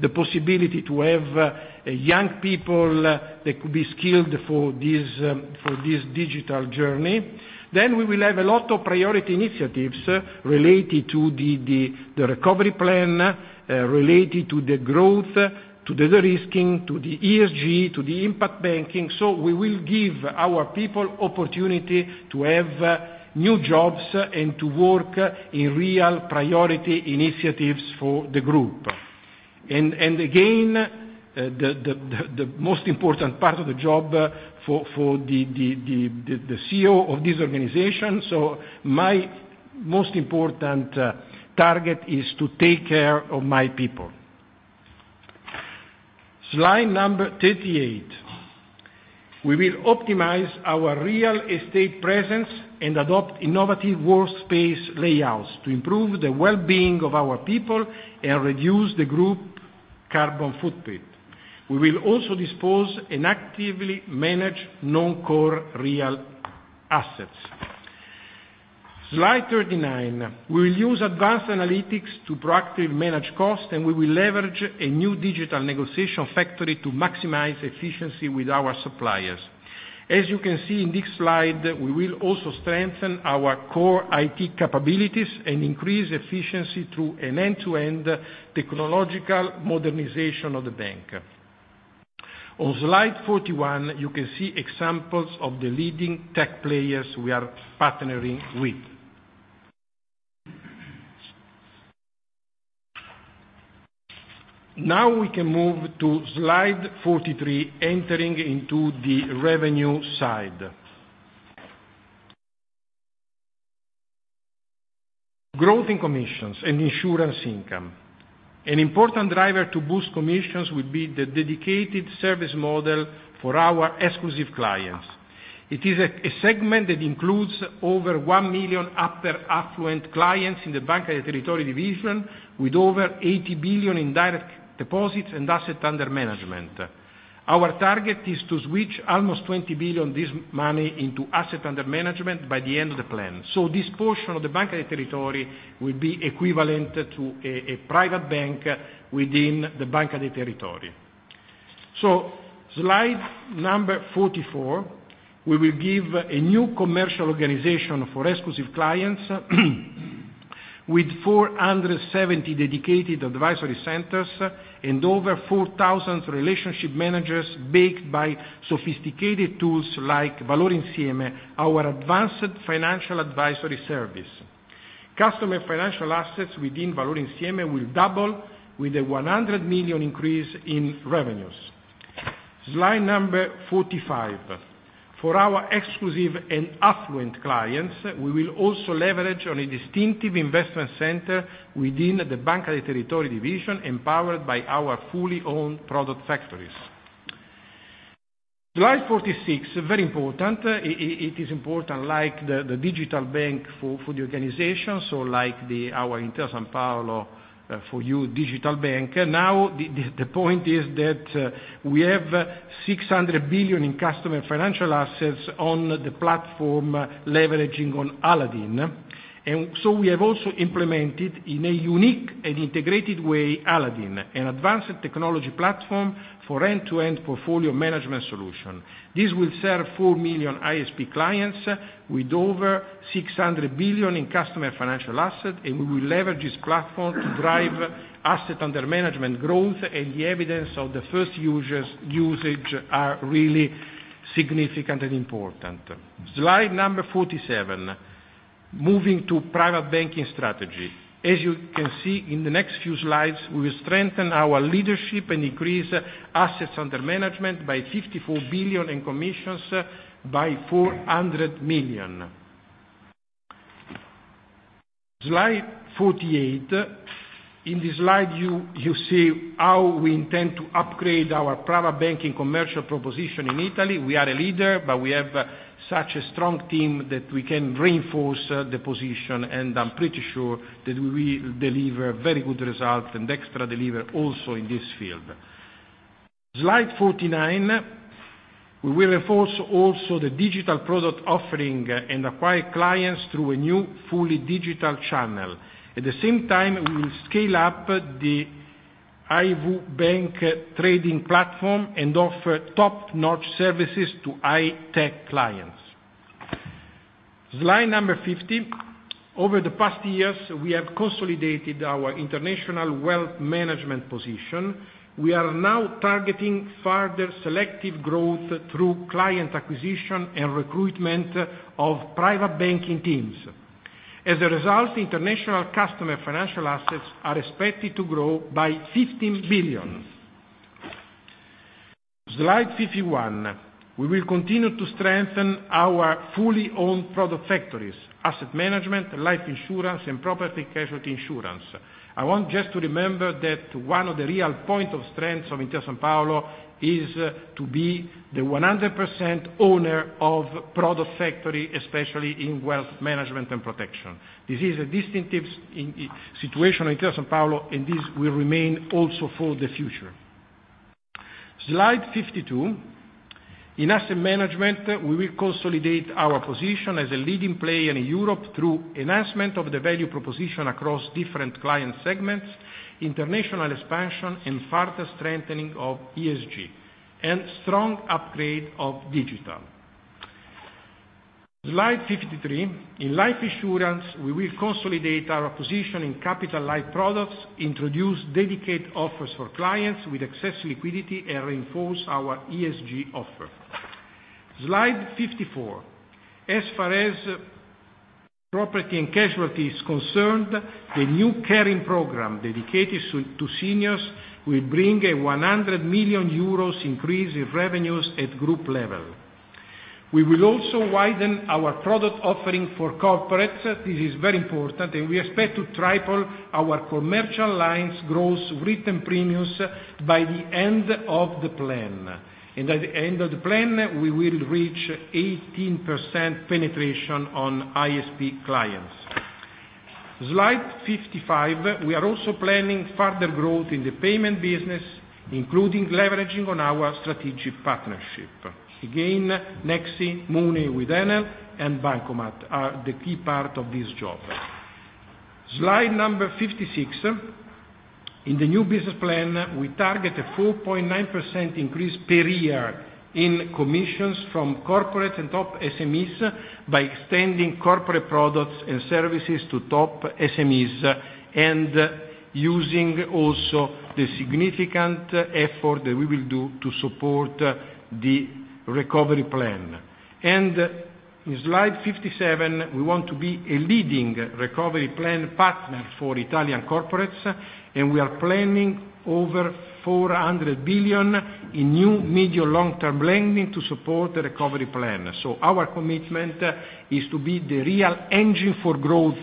the possibility to have young people that could be skilled for this digital journey. We will have a lot of priority initiatives related to the recovery plan, related to the growth, to the de-risking, to the ESG, to the impact banking. We will give our people opportunity to have new jobs and to work in real priority initiatives for the group. The most important part of the job for the CEO of this organization, so my most important target is to take care of my people. Slide number 38. We will optimize our real estate presence and adopt innovative workspace layouts to improve the well-being of our people and reduce the group carbon footprint. We will also dispose and actively manage non-core real assets. Slide 39. We will use advanced analytics to proactively manage cost, and we will leverage a new digital negotiation factory to maximize efficiency with our suppliers. As you can see in this slide, we will also strengthen our core IT capabilities and increase efficiency through an end-to-end technological modernization of the bank. On slide 41, you can see examples of the leading tech players we are partnering with. Now we can move to slide 43, entering into the revenue side. Growth in commissions and insurance income. An important driver to boost commissions will be the dedicated service model for our exclusive clients. It is a segment that includes over 1 million upper affluent clients in the Banca dei Territori division, with over 80 billion in direct deposits and assets under management. Our target is to switch almost 20 billion, this money, into assets under management by the end of the plan. This portion of the Banca dei Territori will be equivalent to a private bank within the Banca dei Territori. Slide number 44, we will give a new commercial organization for exclusive clients with 470 dedicated advisory centers and over 4,000 relationship managers backed by sophisticated tools like Valore Insieme, our advanced financial advisory service. Customer financial assets within Valore Insieme will double with a 100 million increase in revenues. Slide number 45. For our exclusive and affluent clients, we will also leverage on a distinctive investment center within the Banca dei Territori division, empowered by our fully owned product factories. Slide 46, very important. It is important like the digital bank for the organization, like our Intesa Sanpaolo for Isybank. Now the point is that we have 600 billion in customer financial assets on the platform leveraging on Aladdin. We have also implemented, in a unique and integrated way, Aladdin, an advanced technology platform for end-to-end portfolio management solution. This will serve 4 million ISP clients with over 600 billion in customer financial asset, and we will leverage this platform to drive asset under management growth, and the evidence of the first users usage are really significant and important. Slide number 47, moving to private banking strategy. As you can see in the next few slides, we will strengthen our leadership and increase assets under management by 54 billion in commissions by 400 million. Slide 48. In this slide, you see how we intend to upgrade our private banking commercial proposition in Italy. We are a leader, but we have such a strong team that we can reinforce the position, and I'm pretty sure that we will deliver very good results, and extra deliver also in this field. Slide 49. We will enforce also the digital product offering and acquire clients through a new fully digital channel. At the same time, we will scale up the Isybank trading platform and offer top-notch services to high tech clients. Slide 50. Over the past years, we have consolidated our international wealth management position. We are now targeting further selective growth through client acquisition and recruitment of private banking teams. As a result, international customer financial assets are expected to grow by 15 billion. Slide 51. We will continue to strengthen our fully owned product factories, asset management, life insurance, and property casualty insurance. I want just to remember that one of the real points of strength of Intesa Sanpaolo is to be the 100% owner of product factory, especially in wealth management and protection. This is a distinctive situation in Intesa Sanpaolo, and this will remain also for the future. Slide 52. In asset management, we will consolidate our position as a leading player in Europe through enhancement of the value proposition across different client segments, international expansion, and further strengthening of ESG, and strong upgrade of digital. Slide 53. In life insurance, we will consolidate our position in capital life products, introduce dedicated offers for clients with excess liquidity, and reinforce our ESG offer. Slide 54. As far as property and casualty is concerned, the new caring program dedicated to seniors will bring a 100 million euros increase in revenues at group level. We will also widen our product offering for corporates, this is very important, and we expect to triple our commercial lines gross written premiums by the end of the plan. At the end of the plan, we will reach 18% penetration on ISP clients. Slide 55. We are also planning further growth in the payment business, including leveraging on our strategic partnership. Again, Nexi, Mooney with Enel, and Bancomat are the key part of this job. Slide number 56. In the new business plan, we target a 4.9% increase per year in commissions from corporate and top SMEs by extending corporate products and services to top SMEs, and using also the significant effort that we will do to support the recovery plan. In slide 57, we want to be a leading recovery plan partner for Italian corporates, and we are planning over 400 billion in new, medium, long-term lending to support the recovery plan. Our commitment is to be the real engine for growth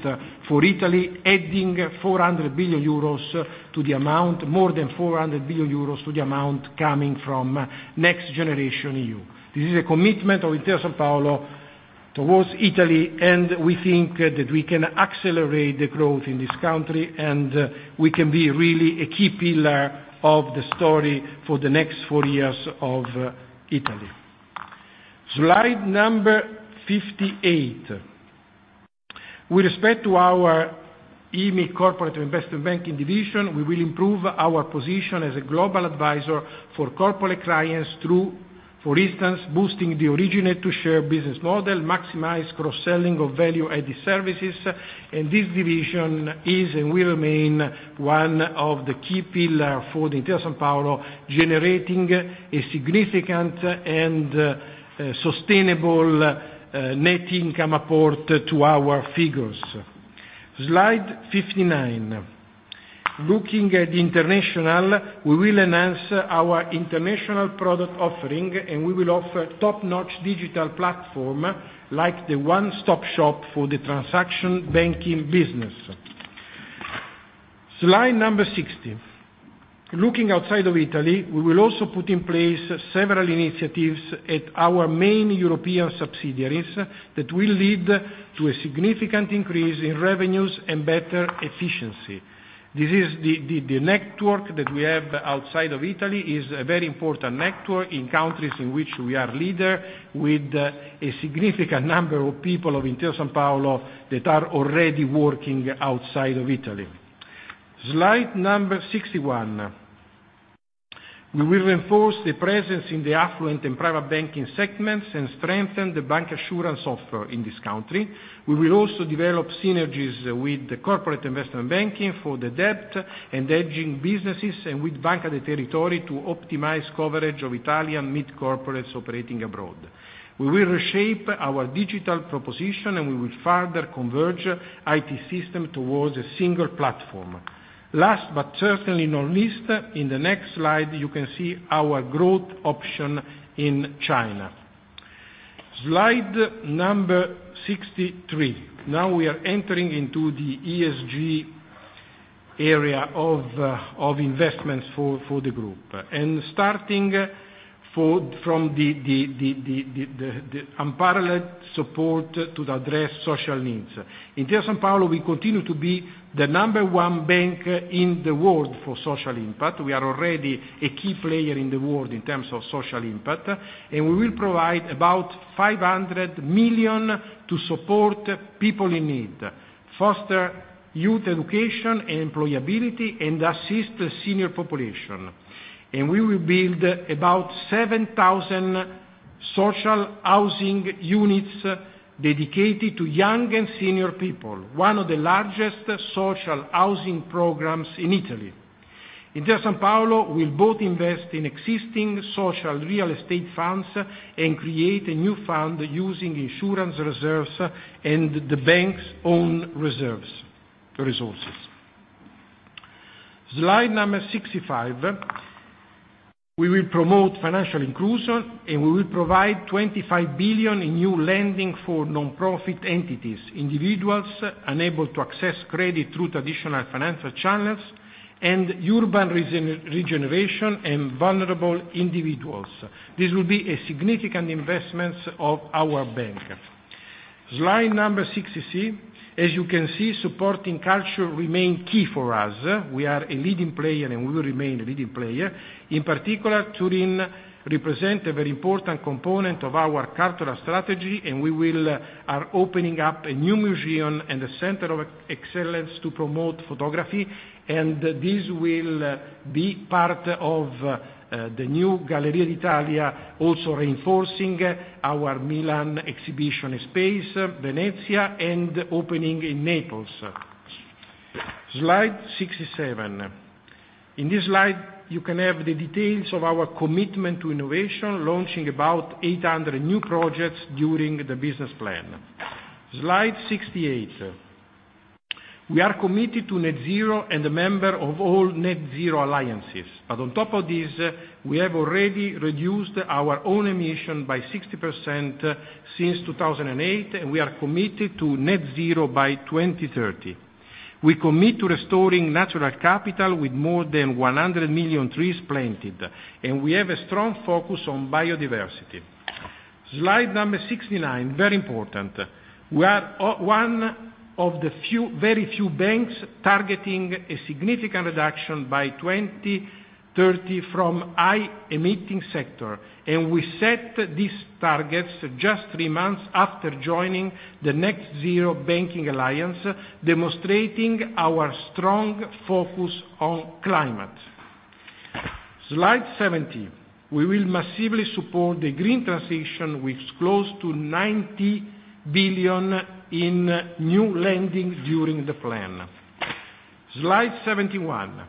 for Italy, adding 400 billion euros to the amount, more than 400 billion euros to the amount coming from NextGenerationEU. This is a commitment of Intesa Sanpaolo towards Italy, and we think that we can accelerate the growth in this country, and we can be really a key pillar of the story for the next 4 years of Italy. Slide number 58. With respect to our IMI Corporate & Investment Banking division, we will improve our position as a global advisor for corporate clients through, for instance, boosting the originate to share business model, maximize cross-selling of value-added services. This division is and will remain one of the key pillar for the Intesa Sanpaolo, generating a significant and sustainable net income support to our figures. Slide 59. Looking at international, we will enhance our international product offering, and we will offer top-notch digital platform like the one-stop shop for the transaction banking business. Slide number 60. Looking outside of Italy, we will also put in place several initiatives at our main European subsidiaries that will lead to a significant increase in revenues and better efficiency. This is the network that we have outside of Italy is a very important network in countries in which we are leader with a significant number of people of Intesa Sanpaolo that are already working outside of Italy. Slide number 61. We will enforce the presence in the affluent and private banking segments and strengthen the bancassurance offer in this country. We will also develop synergies with the corporate investment banking for the debt and hedging businesses and with Banca dei Territori to optimize coverage of Italian mid corporates operating abroad. We will reshape our digital proposition, and we will further converge IT system towards a single platform. Last but certainly not least, in the next slide, you can see our growth option in China. Slide number 63. Now we are entering into the ESG area of investments for the group, and starting from the unparalleled support to address social needs. Intesa Sanpaolo, we continue to be the number one bank in the world for social impact. We are already a key player in the world in terms of social impact, and we will provide about 500 million to support people in need, foster youth education and employability, and assist the senior population. We will build about 7,000 social housing units dedicated to young and senior people, one of the largest social housing programs in Italy. Intesa Sanpaolo will both invest in existing social real estate funds and create a new fund using insurance reserves and the bank's own reserves, resources. Slide number 65. We will promote financial inclusion, and we will provide 25 billion in new lending for nonprofit entities, individuals unable to access credit through traditional financial channels, and urban regeneration and vulnerable individuals. This will be a significant investment of our bank. Slide number 66. As you can see, supporting culture remains key for us. We are a leading player, and we will remain a leading player. In particular, Turin represents a very important component of our cultural strategy, and we are opening up a new museum and a center of excellence to promote photography. This will be part of the new Gallerie d'Italia, also reinforcing our Milan exhibition space, Venezia, and opening in Naples. Slide 67. In this slide, you can have the details of our commitment to innovation, launching about 800 new projects during the business plan. Slide 68. We are committed to net zero and a member of all net zero alliances. On top of this, we have already reduced our own emissions by 60% since 2008, and we are committed to net by 2030. We commit to restoring natural capital with more than 100 million trees planted, and we have a strong focus on biodiversity. Slide number 69, very important. We are one of the few, very few banks targeting a significant reduction by 2030 from high-emitting sector. We set these targets just 3 months after joining the Net-Zero Banking Alliance, demonstrating our strong focus on climate. Slide 70. We will massively support the green transition, with close to 90 billion in new lending during the plan. Slide 71.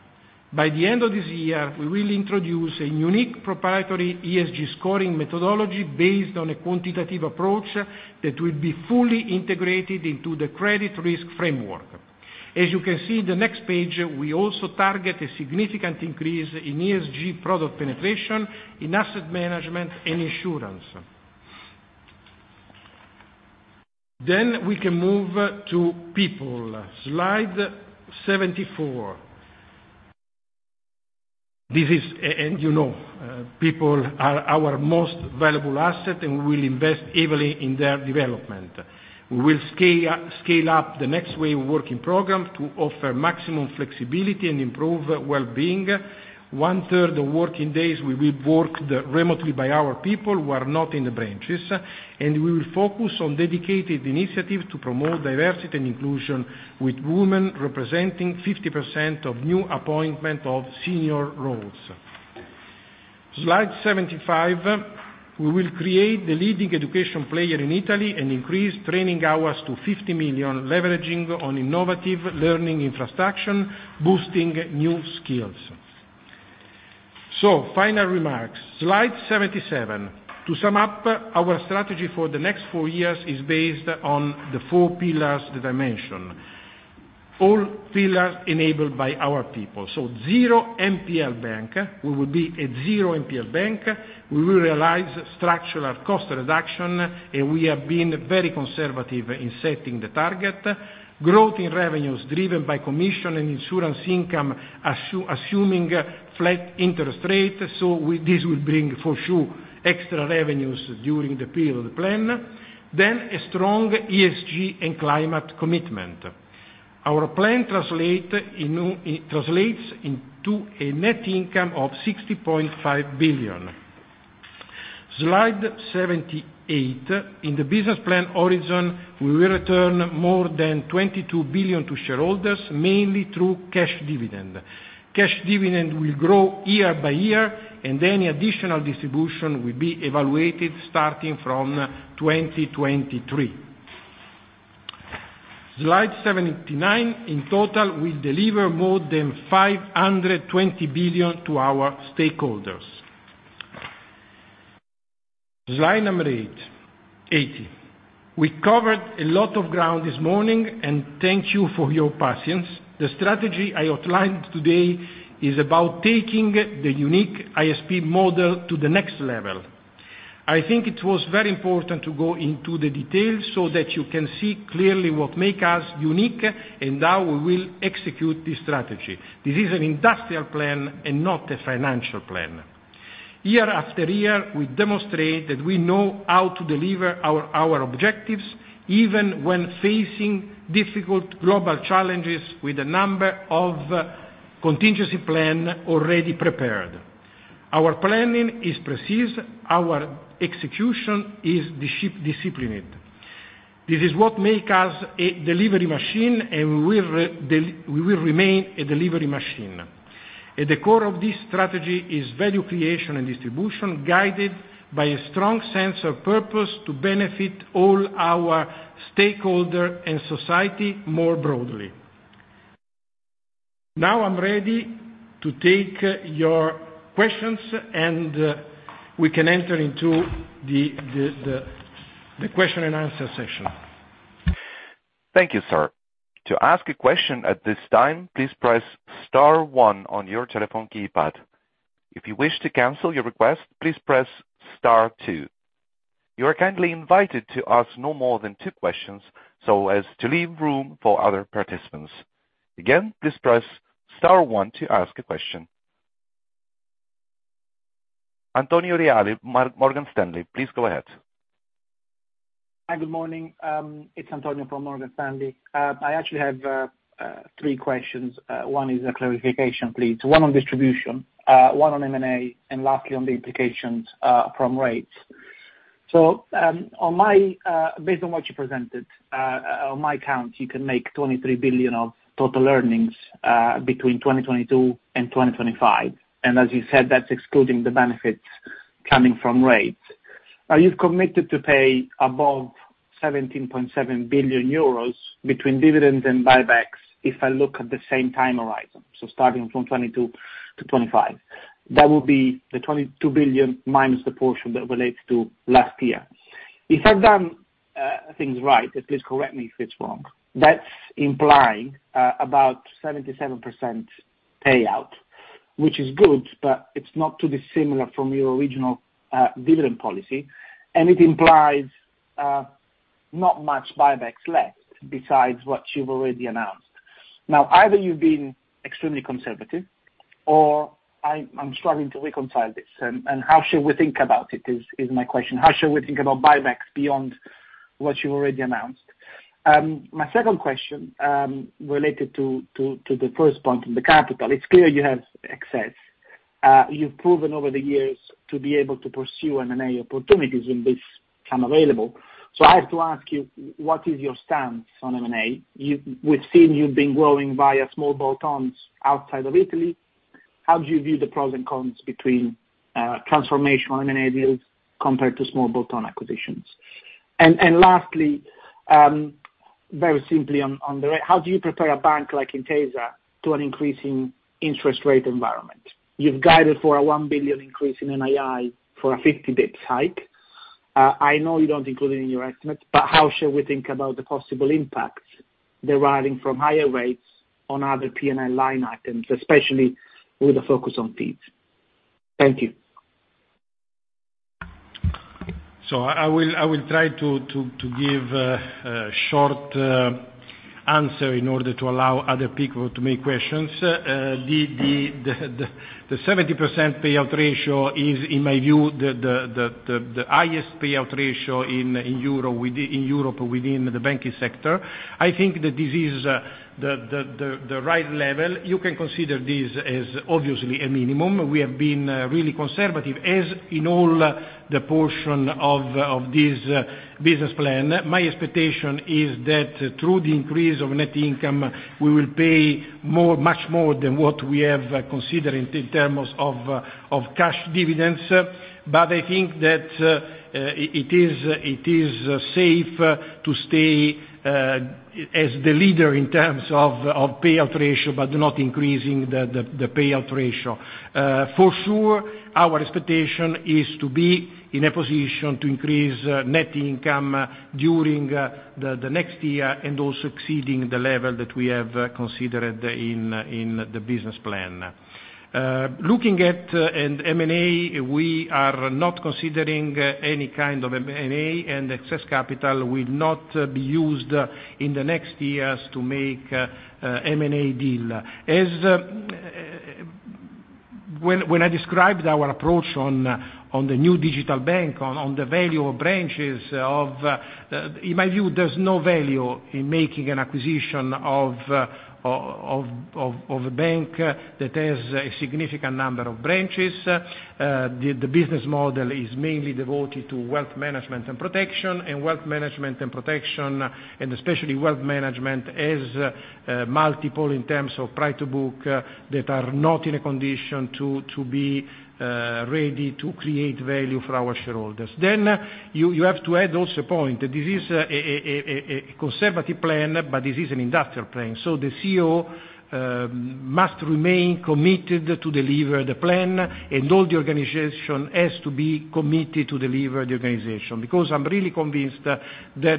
By the end of this year, we will introduce a unique proprietary ESG scoring methodology based on a quantitative approach that will be fully integrated into the credit risk framework. As you can see in the next page, we also target a significant increase in ESG product penetration, in asset management and insurance. We can move to people. Slide 74. You know, people are our most valuable asset, and we will invest heavily in their development. We will scale up the next way of working program to offer maximum flexibility and improve well-being. One-third of working days will be worked remotely by our people who are not in the branches, and we will focus on dedicated initiatives to promote diversity and inclusion, with women representing 50% of new appointments of senior roles. Slide 75. We will create the leading education player in Italy and increase training hours to 50 million, leveraging innovative learning infrastructure, boosting new skills. Final remarks, slide 77. To sum up, our strategy for the next four years is based on the four pillars that I mentioned. All pillars enabled by our people. Zero NPL bank, we will be a zero NPL bank. We will realize structural cost reduction, and we have been very conservative in setting the target. Growth in revenues driven by commission and insurance income assuming flat interest rate. This will bring for sure extra revenues during the period plan. A strong ESG and climate commitment. Our plan translates into a net income of 60.5 billion. Slide 78. In the business plan horizon, we will return more than 22 billion to shareholders, mainly through cash dividend. Cash dividend will grow year by year, and any additional distribution will be evaluated starting from 2023. Slide 79. In total, we deliver more than 520 billion to our stakeholders. Slide 80. We covered a lot of ground this morning, and thank you for your patience. The strategy I outlined today is about taking the unique ISP model to the next level. I think it was very important to go into the details so that you can see clearly what make us unique and how we will execute this strategy. This is an industrial plan and not a financial plan. Year after year, we demonstrate that we know how to deliver our objectives, even when facing difficult global challenges with a number of contingency plan already prepared. Our planning is precise, our execution is disciplined. This is what make us a delivery machine, and we will remain a delivery machine. At the core of this strategy is value creation and distribution, guided by a strong sense of purpose to benefit all our stakeholder and society more broadly. Now I'm ready to take your questions, and we can enter into the question and answer session. Thank you, sir. To ask a question at this time, please press star one on your telephone keypad. If you wish to cancel your request, please press star two. You are kindly invited to ask no more than two questions so as to leave room for other participants. Again, please press star one to ask a question. Antonio Reale, Morgan Stanley, please go ahead. Hi, good morning. It's Antonio from Morgan Stanley. I actually have three questions. One is a clarification, please. One on distribution, one on M&A, and lastly on the implications from rates. Based on what you presented, on my count, you can make 23 billion of total earnings between 2022 and 2025. As you said, that's excluding the benefits coming from rates. Now, you've committed to pay above 17.7 billion euros between dividends and buybacks if I look at the same time horizon, so starting from 2022 to 2025. That would be the 22 billion minus the portion that relates to last year. If I've done things right, and please correct me if it's wrong, that's implying about 77% payout, which is good, but it's not too dissimilar from your original dividend policy. It implies not much buybacks left besides what you've already announced. Now, either you've been extremely conservative, or I'm struggling to reconcile this. How should we think about it is my question. How should we think about buybacks beyond what you've already announced? My second question related to the first point on the capital. It's clear you have excess. You've proven over the years to be able to pursue M&A opportunities when these come available. I have to ask you, what is your stance on M&A? We've seen you've been growing via small bolt-ons outside of Italy. How do you view the pros and cons between transformational M&A deals compared to small bolt-on acquisitions? Lastly, very simply on the rate, how do you prepare a bank like Intesa to an increasing interest rate environment? You've guided for a 1 billion increase in NII for a 50 basis points hike. I know you don't include it in your estimate, but how should we think about the possible impacts deriving from higher rates on other P&L line items, especially with a focus on fees? Thank you. I will try to give a short answer in order to allow other people to make questions. The 70% payout ratio is, in my view, the highest payout ratio in Europe within the banking sector. I think that this is the right level. You can consider this as obviously a minimum. We have been really conservative, as in all the portion of this business plan. My expectation is that through the increase of net income, we will pay more, much more than what we have considered in terms of cash dividends. I think that it is safe to stay as the leader in terms of payout ratio, but not increasing the payout ratio. For sure, our expectation is to be in a position to increase net income during the next year and also exceeding the level that we have considered in the business plan. Looking at M&A, we are not considering any kind of M&A, and excess capital will not be used in the next years to make a M&A deal. When I described our approach on the new digital bank, on the value of branches, in my view, there's no value in making an acquisition of a bank that has a significant number of branches. The business model is mainly devoted to wealth management and protection, and especially wealth management has multiple in terms of price to book that are not in a condition to be ready to create value for our shareholders. You have to add also a point, that this is a conservative plan, but this is an industrial plan. The CEO must remain committed to deliver the plan, and all the organization has to be committed to deliver the organization. Because I'm really convinced that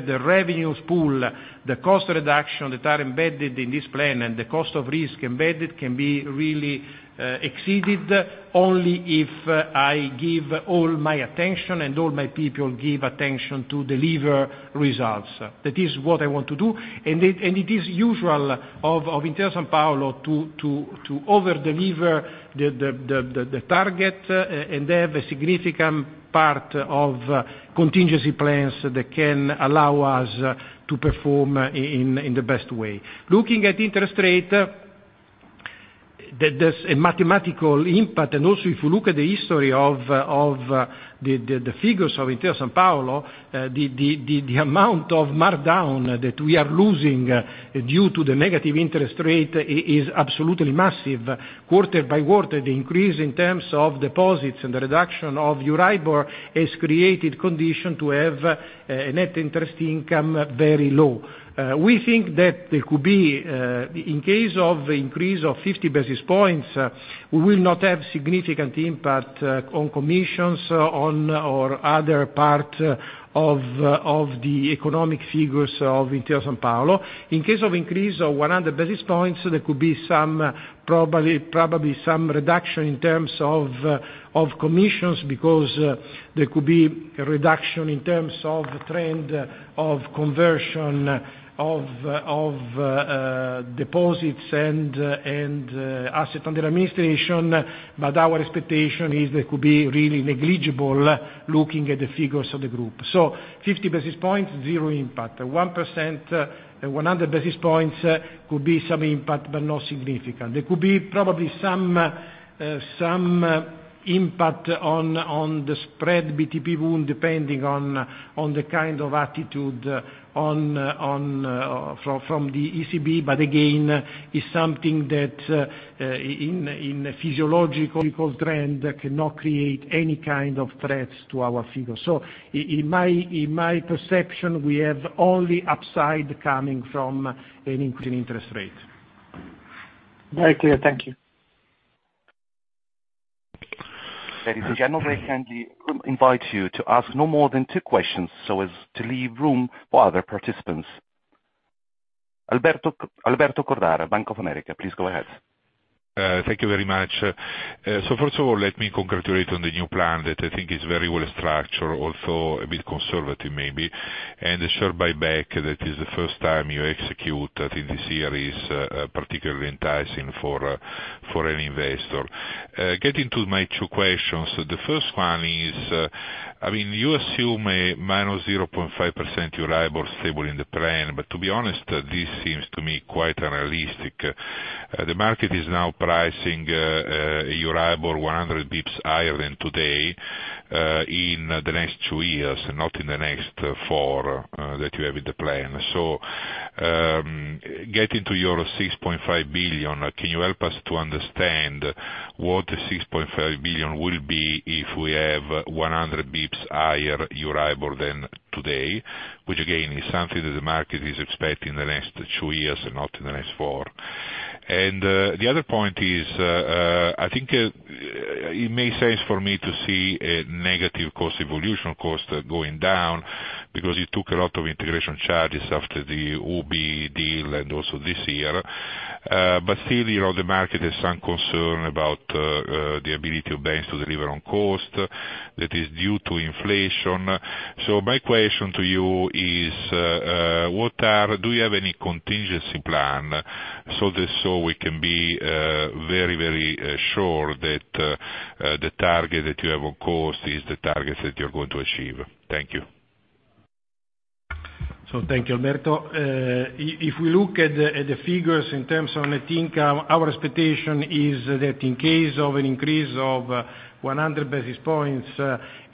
the revenues pool, the cost reduction that are embedded in this plan, and the cost of risk embedded can be really exceeded only if I give all my attention and all my people give attention to deliver results. That is what I want to do. It is usual of Intesa Sanpaolo to over-deliver the target, and they have a significant part of contingency plans that can allow us to perform in the best way. Looking at interest rate, there's a mathematical impact. Also, if you look at the history of the figures of Intesa Sanpaolo, the amount of markdown that we are losing due to the negative interest rate is absolutely massive. Quarter by quarter, the increase in terms of deposits and the reduction of EURIBOR has created condition to have a net interest income very low. We think that there could be, in case of increase of 50 basis points, we will not have significant impact on commissions, on or other part of the economic figures of Intesa Sanpaolo. In case of increase of 100 basis points, there could be some probably some reduction in terms of commissions because there could be a reduction in terms of trend of conversion of deposits and asset under administration, but our expectation is that could be really negligible looking at the figures of the group. 50 basis points, zero impact. 1%, 100 basis points could be some impact, but not significant. There could be probably some impact on the BTP-Bund spread depending on the kind of attitude from the ECB. Again, it's something that in physiological trend cannot create any kind of threats to our figures. In my perception, we have only upside coming from an increase in interest rate. Very clear. Thank you. There is a general break, and we invite you to ask no more than two questions so as to leave room for other participants. Alberto Cordara, Bank of America, please go ahead. Thank you very much. So first of all, let me congratulate on the new plan that I think is very well structured, also a bit conservative maybe. The share buyback, that is the first time you execute that in this year, is particularly enticing for an investor. Getting to my two questions, the first one is, I mean, you assume a -0.5% EURIBOR stable in the plan, but to be honest, this seems to me quite unrealistic. The market is now pricing EURIBOR 100 basis points higher than today in the next two years, not in the next four that you have in the plan. Getting to your 6.5 billion, can you help us to understand what the 6.5 billion will be if we have 100 basis points higher EURIBOR than today, which again, is something that the market is expecting in the next two years and not in the next four. The other point is, I think, it makes sense for me to see a negative cost evolution, cost going down, because you took a lot of integration charges after the UBI deal and also this year. Still, you know, the market has some concern about the ability of banks to deliver on cost that is due to inflation. My question to you is, what are... Do you have any contingency plan so that we can be very, very sure that the target that you have on cost is the targets that you're going to achieve? Thank you. Thank you, Alberto. If we look at the figures in terms of net income, our expectation is that in case of an increase of 100 basis points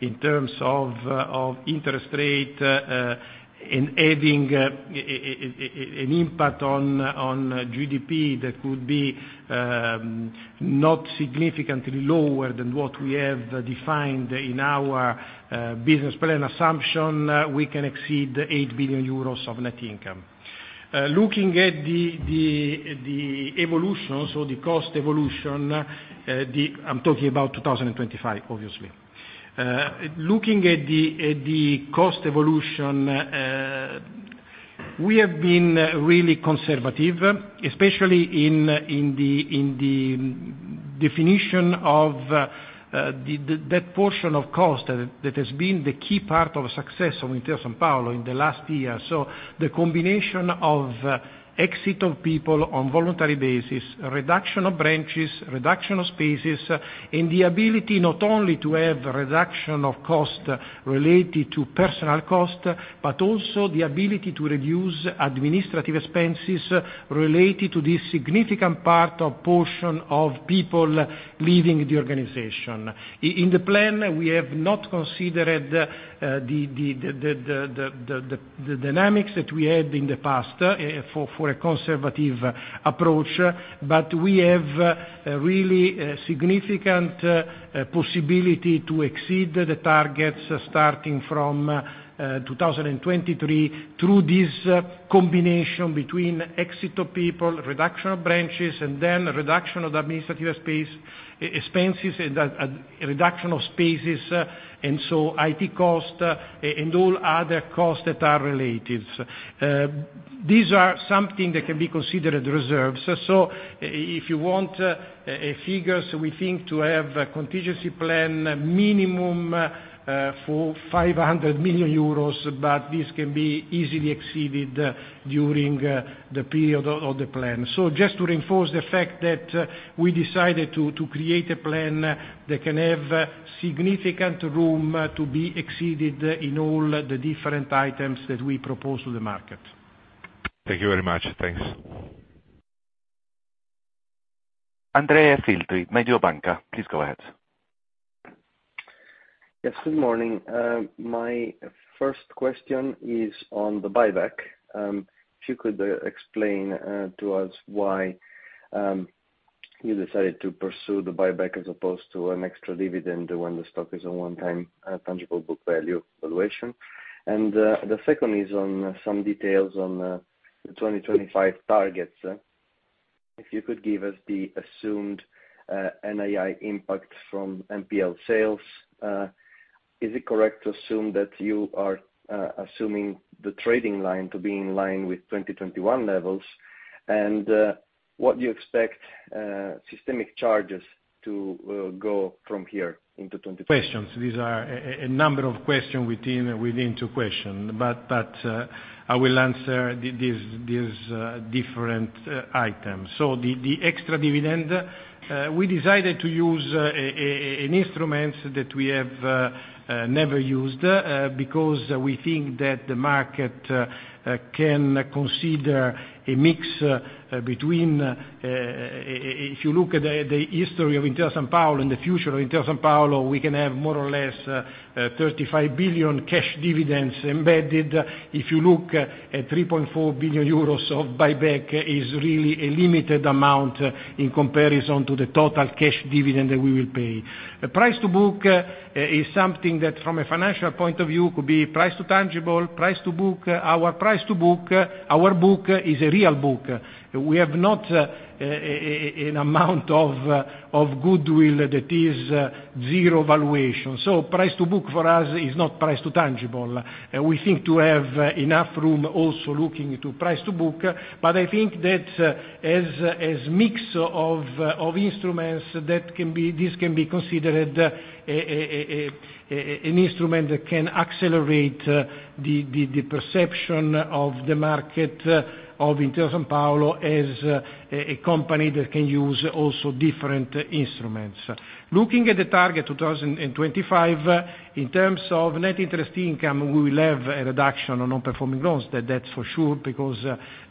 in terms of interest rate and adding an impact on GDP, that would be not significantly lower than what we have defined in our business plan assumption, we can exceed 8 billion euros of net income. Looking at the evolution, the cost evolution, I'm talking about 2025, obviously. Looking at the cost evolution, we have been really conservative, especially in the definition of that portion of cost that has been the key part of success of Intesa Sanpaolo in the last year. The combination of exit of people on voluntary basis, reduction of branches, reduction of spaces, and the ability not only to have reduction of cost related to personnel cost, but also the ability to reduce administrative expenses related to this significant portion of people leaving the organization. In the plan, we have not considered the dynamics that we had in the past for a conservative approach, but we have really significant possibility to exceed the targets starting from 2023 through this combination between exit of people, reduction of branches, and then reduction of the administrative expenses and the reduction of spaces, and so IT cost and all other costs that are related. These are something that can be considered reserves. If you want figures, we think to have a contingency plan minimum for 500 million euros, but this can be easily exceeded during the period of the plan. Just to reinforce the fact that we decided to create a plan that can have significant room to be exceeded in all the different items that we propose to the market. Thank you very much. Thanks. Andrea Filtri, Mediobanca, please go ahead. Yes, good morning. My first question is on the buyback. If you could explain to us why you decided to pursue the buyback as opposed to an extra dividend when the stock is at one times tangible book value valuation. The second is on some details on the 2025 targets. If you could give us the assumed NII impact from NPL sales, is it correct to assume that you are assuming the trading line to be in line with 2021 levels, and what do you expect systemic charges to go from here into 2025- Questions. These are a number of questions within two questions, I will answer these different items. The extra dividend, we decided to use an instrument that we have never used, because we think that the market can consider a mix between, if you look at the history of Intesa Sanpaolo and the future of Intesa Sanpaolo, we can have more or less 35 billion cash dividends embedded. If you look at 3.4 billion euros of buyback is really a limited amount in comparison to the total cash dividend that we will pay. Price to book is something that from a financial point of view, could be price to tangible, price to book. Our price to book, our book is a real book. We have not an amount of goodwill that is zero valuation. So price to book for us is not price to tangible. We think to have enough room also looking to price to book. I think that a mix of instruments that can be, this can be considered an instrument that can accelerate the perception of the market of Intesa Sanpaolo as a company that can use also different instruments. Looking at the target 2025, in terms of net interest income, we will have a reduction on non-performing loans. That's for sure, because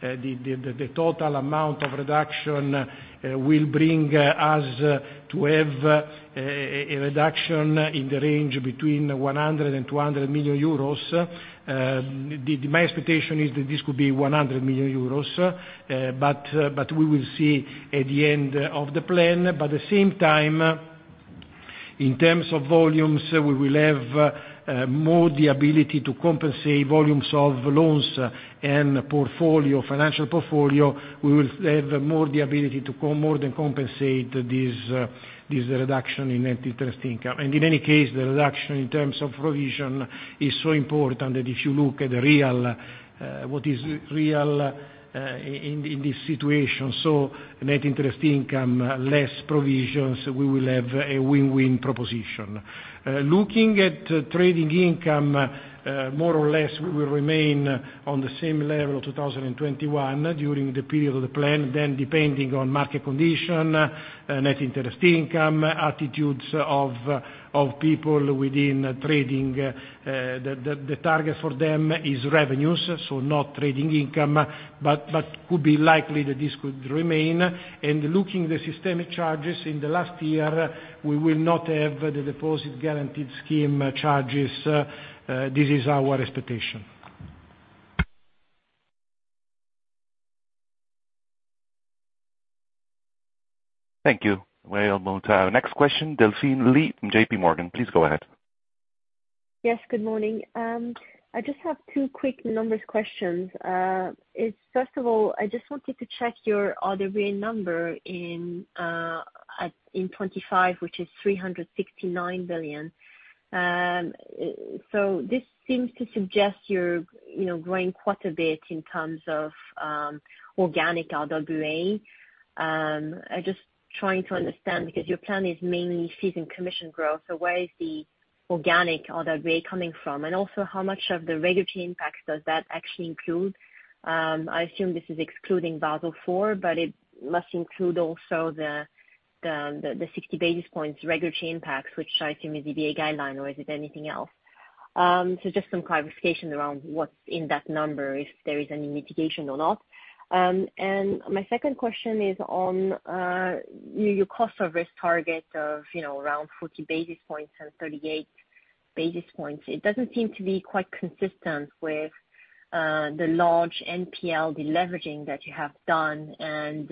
the total amount of reduction will bring us to have a reduction in the range between 100 million euros and 200 million euros. My expectation is that this could be 100 million euros, but we will see at the end of the plan. But at the same time, in terms of volumes, we will have more the ability to compensate volumes of loans and portfolio, financial portfolio. We will have more the ability to more than compensate this reduction in net interest income. In any case, the reduction in terms of provision is so important that if you look at the real what is real in this situation, so net interest income, less provisions, we will have a win-win proposition. Looking at trading income, more or less, we will remain on the same level of 2021 during the period of the plan, then depending on market condition, net interest income, attitudes of people within trading, the target for them is revenues, so not trading income, but could be likely that this could remain. Looking at the systemic charges in the last year, we will not have the deposit guarantee scheme charges. This is our exectation. Thank you. We're almost at our next question. Delphine Lee from JPMorgan, please go ahead. Yes, good morning. I just have two quick numbers questions. It's first of all, I just wanted to check your RWA number in, at, in 2025, which is 369 billion. So this seems to suggest you're, you know, growing quite a bit in terms of, organic RWA. I'm just trying to understand, because your plan is mainly fees and commission growth, so where is the organic RWA coming from? And also, how much of the regulatory impact does that actually include? I assume this is excluding Basel IV, but it must include also the 60 basis points regulatory impacts, which I assume is EBA guideline, or is it anything else? So just some clarification around what's in that number, if there is any mitigation or not. My second question is on your cost of risk target of, you know, around 40 basis points and 38 basis points. It doesn't seem to be quite consistent with the large NPL deleveraging that you have done and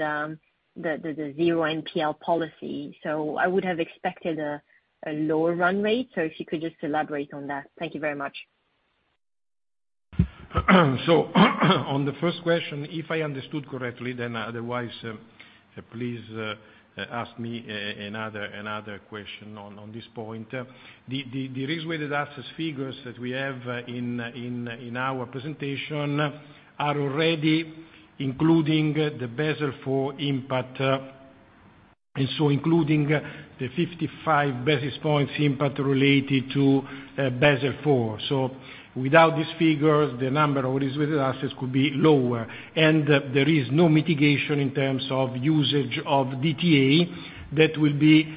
the zero NPL policy. I would have expected a lower run rate. If you could just elaborate on that. Thank you very much. On the first question, if I understood correctly, then otherwise, please, ask me another question on this point. The risk-weighted assets figures that we have in our presentation are already including the Basel IV impact, and so including the 55 basis points impact related to Basel IV. Without these figures, the number of risk-weighted assets could be lower. There is no mitigation in terms of usage of DTA. That will be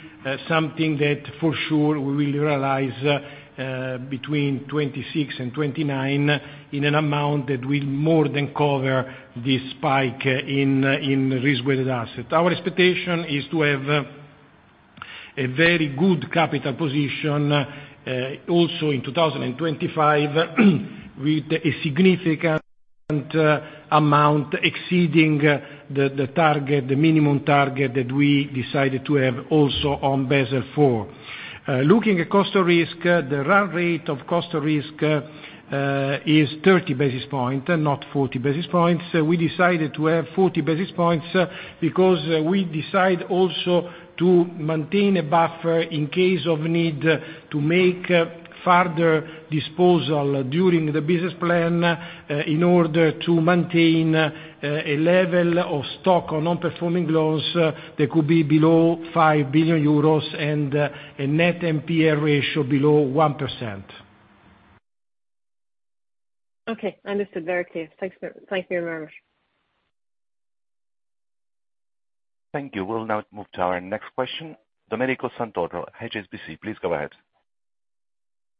something that for sure we will realize between 2026 and 2029 in an amount that will more than cover the spike in risk-weighted assets. Our expectation is to have a very good capital position also in 2025 with a significant amount exceeding the target, the minimum target that we decided to have also on Basel IV. Looking at cost of risk, the run rate of cost of risk is 30 basis points, not 40 basis points. We decided to have 40 basis points because we decide also to maintain a buffer in case of need to make further disposal during the business plan, in order to maintain a level of stock of non-performing loans that could be below 5 billion euros and a net NPL ratio below 1%. Okay. Understood. Very clear. Thanks. Thank you very much. Thank you. We'll now move to our next question. Domenico Santoro, HSBC, please go ahead.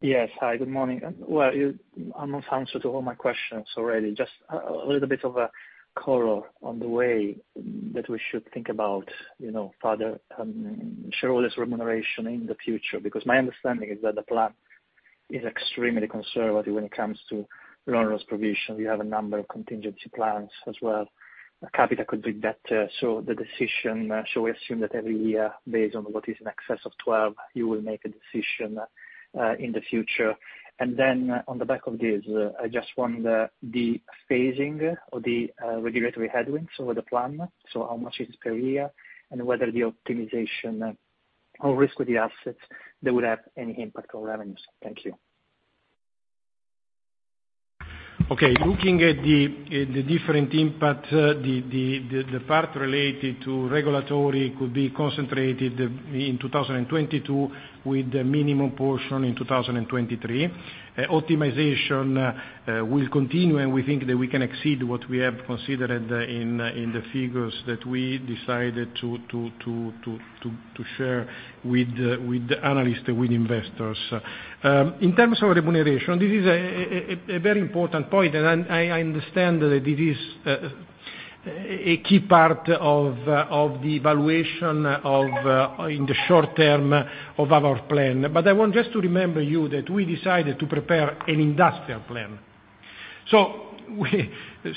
Yes. Hi, good morning. Well, you almost answered all my questions already. Just a little bit of a color on the way that we should think about, you know, further shareholders remuneration in the future, because my understanding is that the plan is extremely conservative when it comes to loan loss provision. You have a number of contingency plans as well. Capital could be better. The decision, shall we assume that every year, based on what is in excess of twelve, you will make a decision in the future. On the back of this, I just want the phasing or the regulatory headwinds over the plan, so how much is per year, and whether the optimization of risk-weighted assets would have any impact on revenues. Thank you. Okay. Looking at the different impact, the part related to regulatory could be concentrated in 2022, with the minimum portion in 2023. Optimization will continue, and we think that we can exceed what we have considered in the figures that we decided to share with analysts, with investors. In terms of remuneration, this is a very important point, and I understand that it is a key part of the evaluation in the short term of our plan. I want just to remind you that we decided to prepare an industrial plan. We're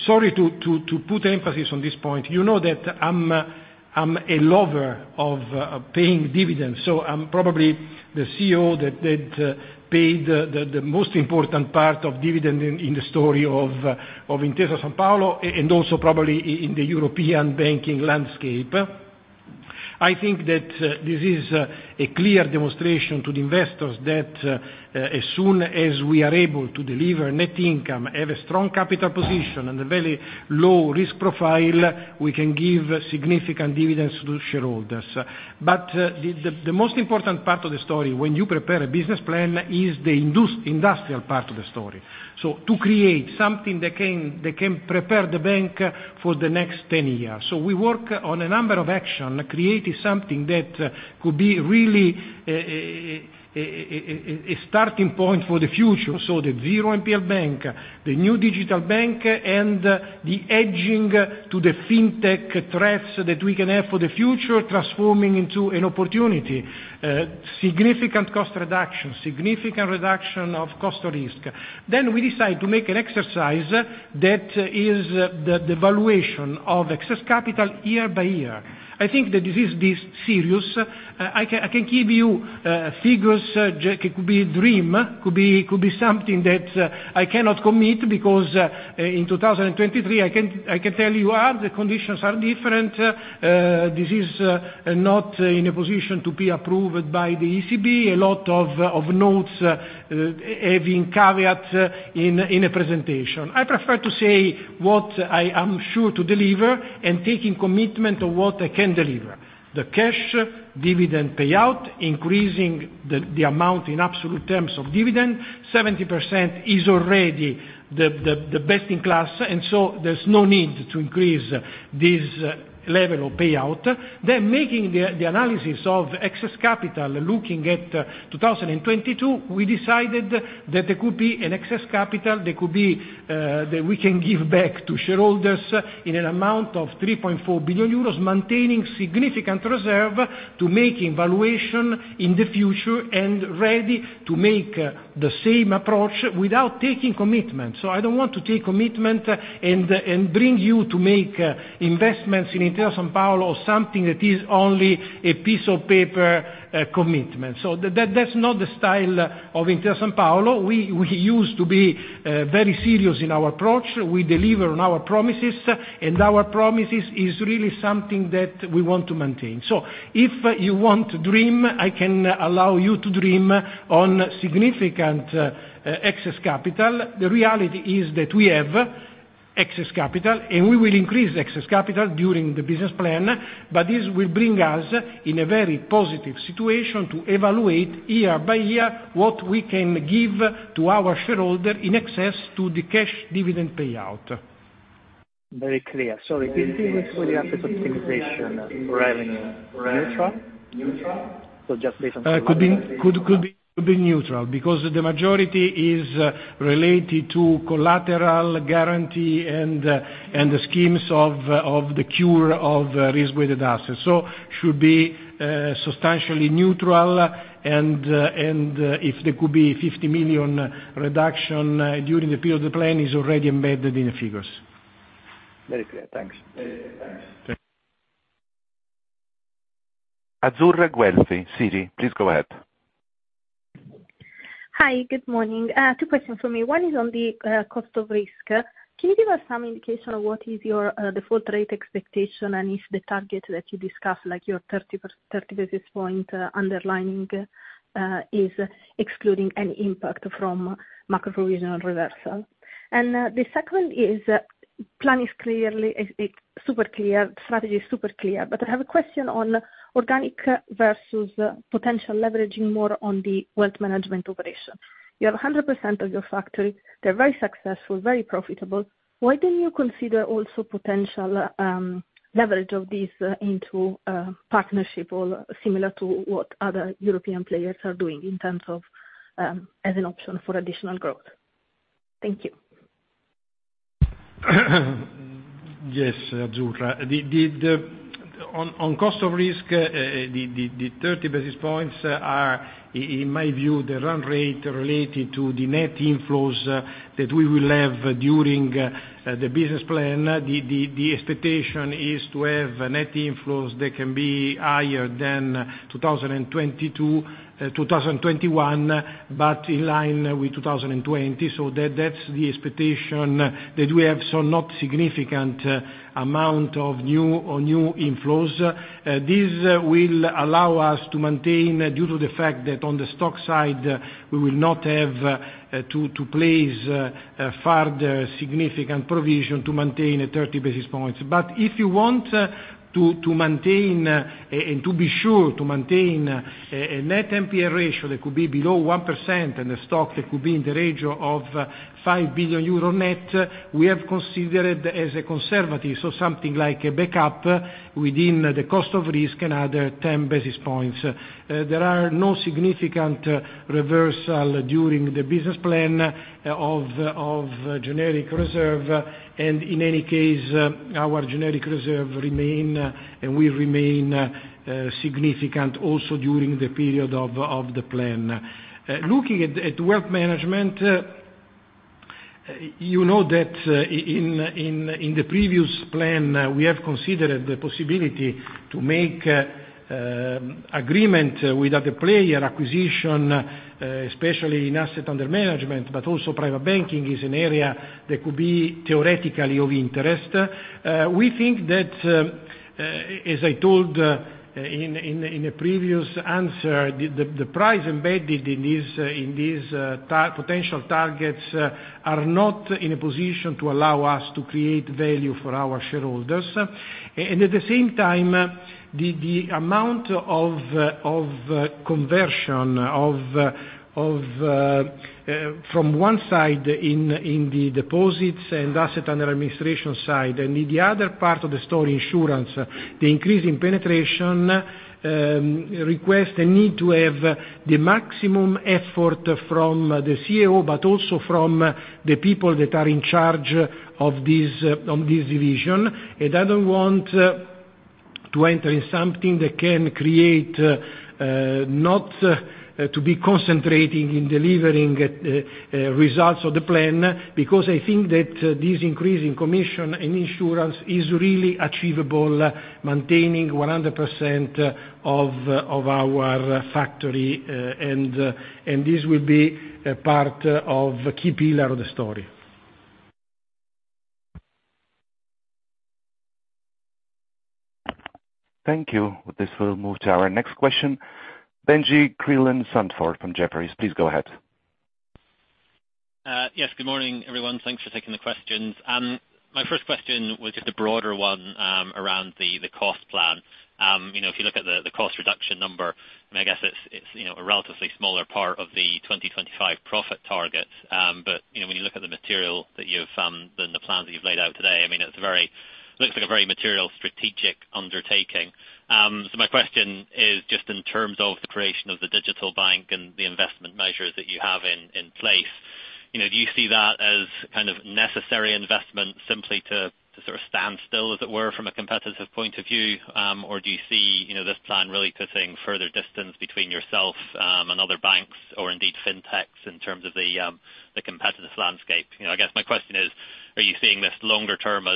sorry to put emphasis on this point. You know that I'm a lover of paying dividends, so I'm probably the CEO that paid the most important part of dividend in the story of Intesa Sanpaolo, and also probably in the European banking landscape. I think that this is a clear demonstration to the investors that as soon as we are able to deliver net income, have a strong capital position and a very low risk profile, we can give significant dividends to the shareholders. The most important part of the story when you prepare a business plan is the industrial part of the story. To create something that can prepare the bank for the next ten years. We work on a number of actions, creating something that could be really a starting point for the future. The zero NPL bank, the new digital bank, and the hedging to the fintech threats that we can have for the future, transforming into an opportunity. Significant cost reduction, significant reduction of cost of risk. We decide to make an exercise that is the valuation of excess capital year by year. I think that it is this serious. I can give you figures that could be a dream, could be something that I cannot commit because in 2023, I can tell you how the conditions are different. This is not in a position to be approved by the ECB. A lot of notes have been caveated in a presentation. I prefer to say what I am sure to deliver and taking commitment of what I can deliver. The cash dividend payout, increasing the amount in absolute terms of dividend, 70% is already the best in class, and so there's no need to increase this level of payout. Making the analysis of excess capital looking at 2022, we decided that there could be an excess capital that we can give back to shareholders in an amount of 3.4 billion euros, maintaining significant reserve to make evaluation in the future and ready to make the same approach without taking commitment. I don't want to take commitment and bring you to make investments in Intesa Sanpaolo something that is only a piece of paper, commitment. That's not the style of Intesa Sanpaolo. We used to be very serious in our approach. We deliver on our promises, and our promises is really something that we want to maintain. If you want to dream, I can allow you to dream on significant excess capital. The reality is that we have excess capital, and we will increase excess capital during the business plan. This will bring us in a very positive situation to evaluate year by year what we can give to our shareholder in excess to the cash dividend payout. Very clear. Sorry, can you please optimization revenue neutral? Just based on- Could be neutral because the majority is related to collateral guarantee and the schemes of the cure of risk-weighted assets. It should be substantially neutral. If there could be 50 million reduction during the period of the plan, it is already embedded in the figures. Very clear. Thanks. Thanks. Azzurra Guelfi, Citi, please go ahead. Hi, good morning. Two questions for me. One is on the cost of risk. Can you give us some indication of what is your default rate expectation, and is the target that you discussed, like your 30-30 basis point underlying, is excluding any impact from macro provision reversal? The second is, the plan is clearly super clear, the strategy is super clear, but I have a question on organic versus potential leveraging more on the wealth management operation. You have 100% of your factory. They're very successful, very profitable. Why don't you consider also potential leverage of this into partnership or similar to what other European players are doing in terms of as an option for additional growth? Thank you. Yes, Azzurra. On cost of risk, the 30 basis points are, in my view, the run rate related to the net inflows that we will have during the business plan. The expectation is to have net inflows that can be higher than 2022, 2021, but in line with 2020. That's the expectation that we have, so not significant amount of new inflows. This will allow us to maintain, due to the fact that on the stock side, we will not have to place further significant provision to maintain 30 basis points. If you want to maintain and to be sure to maintain a net NPL ratio that could be below 1% and a stock that could be in the range of 5 billion euro net, we have considered as a conservative, so something like a backup within the cost of risk, another 10 basis points. There are no significant reversal during the business plan of generic reserve. In any case, our generic reserve remain and will remain significant also during the period of the plan. Looking at wealth management, you know that in the previous plan, we have considered the possibility to make agreement with other player acquisition, especially in asset under management, but also private banking is an area that could be theoretically of interest. We think that as I told in a previous answer, the price embedded in these potential targets are not in a position to allow us to create value for our shareholders. At the same time, the amount of conversion from one side in the deposits and assets under administration side, and in the other part of the story, insurance, the increase in penetration requires a need to have the maximum effort from the CEO, but also from the people that are in charge of this, on this division. I don't want to enter in something that can create, not to be concentrating in delivering, results of the plan, because I think that this increase in commission and insurance is really achievable, maintaining 100% of our factory, and this will be a part of key pillar of the story. Thank you. With this, we'll move to our next question, Benjie Creelan-Sandford from Jefferies. Please go ahead. Yes. Good morning, everyone. Thanks for taking the questions. My first question was just a broader one around the cost plan. You know, if you look at the cost reduction number, and I guess it's a relatively smaller part of the 2025 profit target. You know, when you look at the material that you've, then the plans that you've laid out today, I mean, it looks like a very material strategic undertaking. My question is just in terms of the creation of the digital bank and the investment measures that you have in place. You know, do you see that as kind of necessary investment simply to sort of stand still, as it were, from a competitive point of view? Do you see, you know, this plan really putting further distance between yourself and other banks or indeed FinTechs in terms of the competitive landscape? You know, I guess my question is: Are you seeing this longer term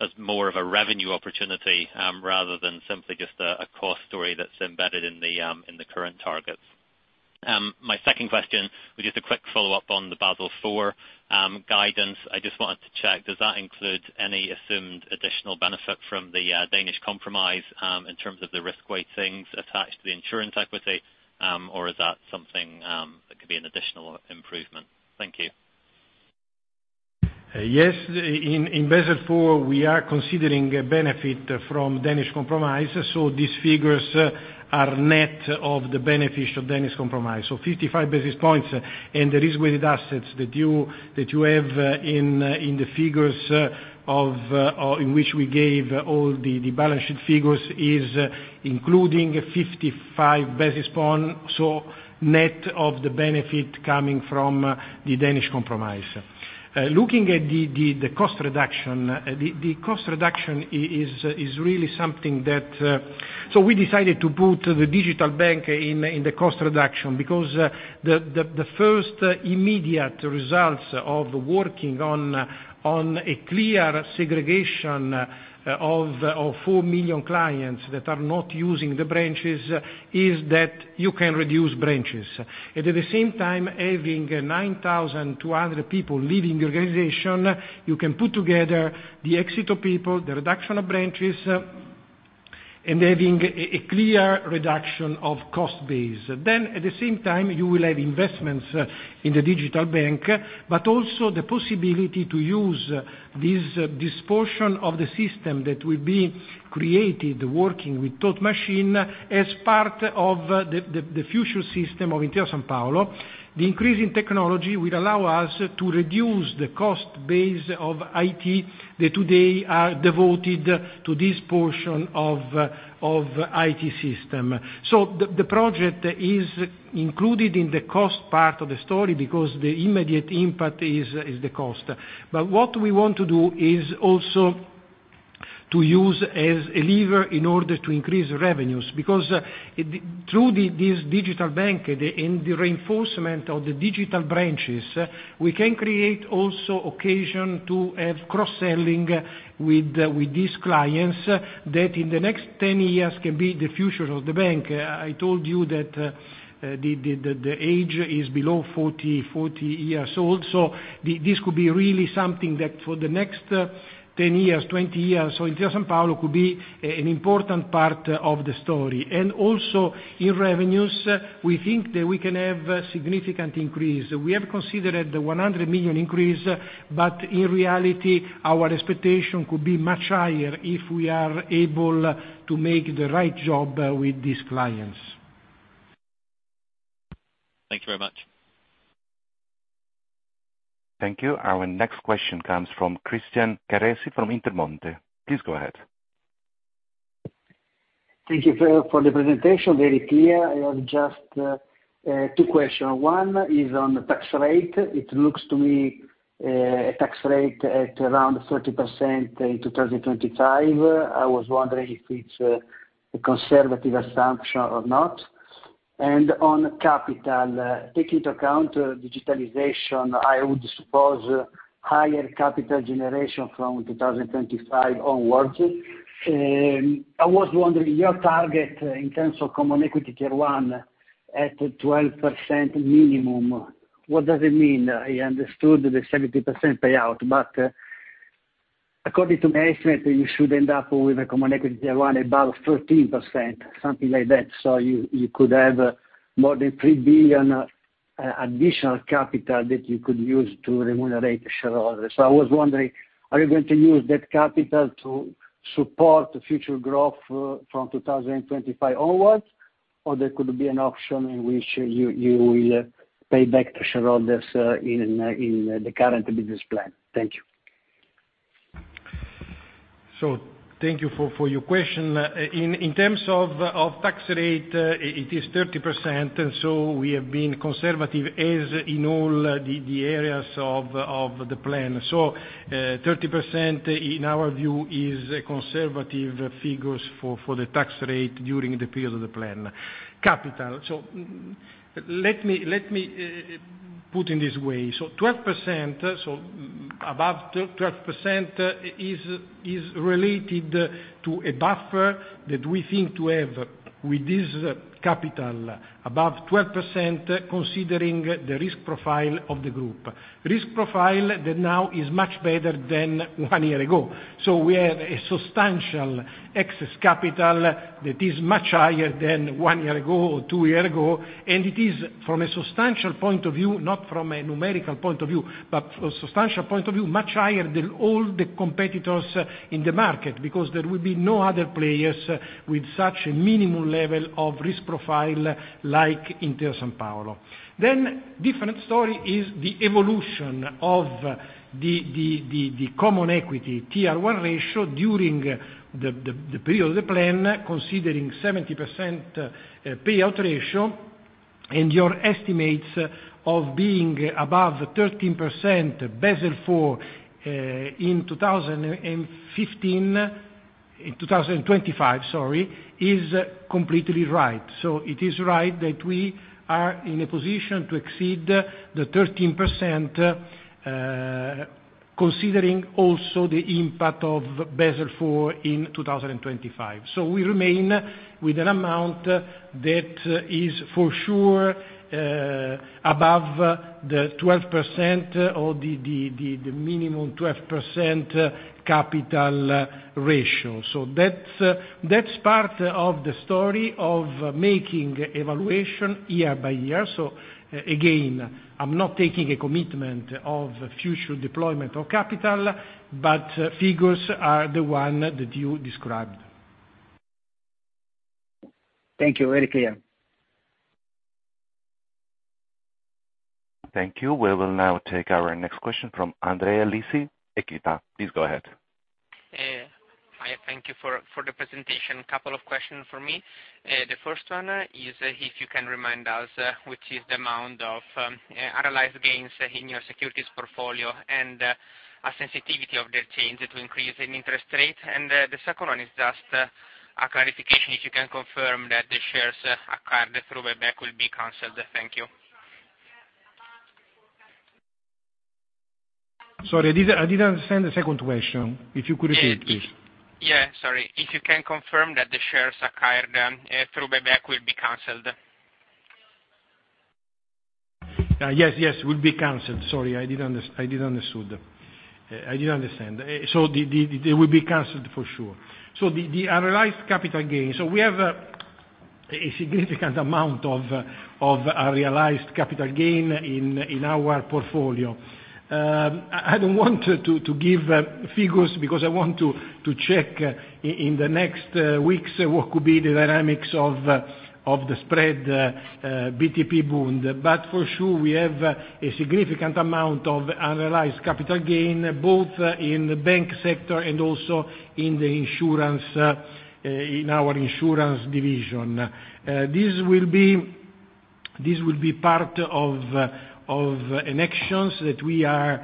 as more of a revenue opportunity rather than simply just a cost story that's embedded in the current targets? My second question, which is a quick follow-up on the Basel IV guidance, I just wanted to check, does that include any assumed additional benefit from the Danish compromise in terms of the risk weightings attached to the insurance equity or is that something that could be an additional improvement? Thank you. Yes. In Basel IV, we are considering a benefit from Danish compromise, so these figures are net of the benefits of Danish compromise. 55 basis points, and the risk-weighted assets that you have in the figures or in which we gave all the balance sheet figures is including 55 basis points, so net of the benefit coming from the Danish compromise. Looking at the cost reduction, the cost reduction is really something that we decided to put the digital bank in the cost reduction because the first immediate results of working on a clear segregation of 4 million clients that are not using the branches is that you can reduce branches. At the same time, having 9,200 people leaving the organization, you can put together the exit of people, the reduction of branches, and having a clear reduction of cost base. At the same time, you will have investments in the digital bank, but also the possibility to use this portion of the system that will be created working with Thought Machine as part of the future system of Intesa Sanpaolo. The increase in technology will allow us to reduce the cost base of IT that today are devoted to this portion of IT system. The project is included in the cost part of the story because the immediate impact is the cost. What we want to do is also to use as a lever in order to increase revenues. Because through this digital bank and the reinforcement of the digital branches, we can create also occasion to have cross-selling with these clients that in the next 10 years can be the future of the bank. I told you that the age is below 40 years old, so this could be really something that for the next 10 years, 20 years, so Intesa Sanpaolo could be an important part of the story. Also in revenues, we think that we can have a significant increase. We have considered the 100 million increase, but in reality, our expectation could be much higher if we are able to make the right job with these clients. Thank you very much. Thank you. Our next question comes from Christian Carrese from Intermonte. Please go ahead. Thank you for the presentation. Very clear. I have just two questions. One is on the tax rate. It looks to me a tax rate at around 30% in 2025. I was wondering if it's a conservative assumption or not. On capital, take into account digitalization, I would suppose higher capital generation from 2025 onwards. I was wondering your target in terms of Common Equity Tier 1 at 12% minimum, what does it mean? I understood the 70% payout, but according to my estimate, you should end up with a Common Equity Tier 1 above 13%, something like that. You could have more than 3 billion additional capital that you could use to remunerate shareholders. I was wondering, are you going to use that capital to support future growth from 2025 onwards, or there could be an option in which you will pay back to shareholders in the current business plan? Thank you. Thank you for your question. In terms of tax rate, it is 30%, and so we have been conservative as in all the areas of the plan. 30% in our view is a conservative figure for the tax rate during the period of the plan. Let me put it in this way. 12%, so above 12% is related to a buffer that we think we have with this capital above 12% considering the risk profile of the group. The risk profile that now is much better than one year ago. We have a substantial excess capital that is much higher than 1 year ago or 2 year ago, and it is from a substantial point of view, not from a numerical point of view, but from a substantial point of view, much higher than all the competitors in the market, because there will be no other players with such a minimum level of risk profile like Intesa Sanpaolo. Different story is the evolution of the common equity tier one ratio during the period of the plan, considering 70% payout ratio and your estimates of being above 13% Basel IV in 2025, sorry, is completely right. It is right that we are in a position to exceed the 13%, considering also the impact of Basel IV in 2025. We remain with an amount that is for sure above the 12% or the minimum 12% capital ratio. That's part of the story of making evaluation year by year. Again, I'm not taking a commitment of future deployment of capital, but figures are the one that you described. Thank you. Very clear. Thank you. We will now take our next question from Andrea Lisi, Equita. Please go ahead. Hi, thank you for the presentation. A couple of questions from me. The first one is if you can remind us which is the amount of unrealized gains in your securities portfolio and a sensitivity of the change to increase in interest rate. The second one is just a clarification, if you can confirm that the shares acquired through buyback will be canceled. Thank you. Sorry, I didn't understand the second question. If you could repeat, please? Yeah, sorry. If you can confirm that the shares acquired through buyback will be canceled? Yes, will be canceled. Sorry, I didn't understand. They will be canceled for sure. The unrealized capital gain. We have a significant amount of unrealized capital gain in our portfolio. I don't want to give figures because I want to check in the next weeks what could be the dynamics of the spread, BTP-Bund. For sure we have a significant amount of unrealized capital gain both in the bank sector and also in the insurance in our insurance division. This will be part of actions that we are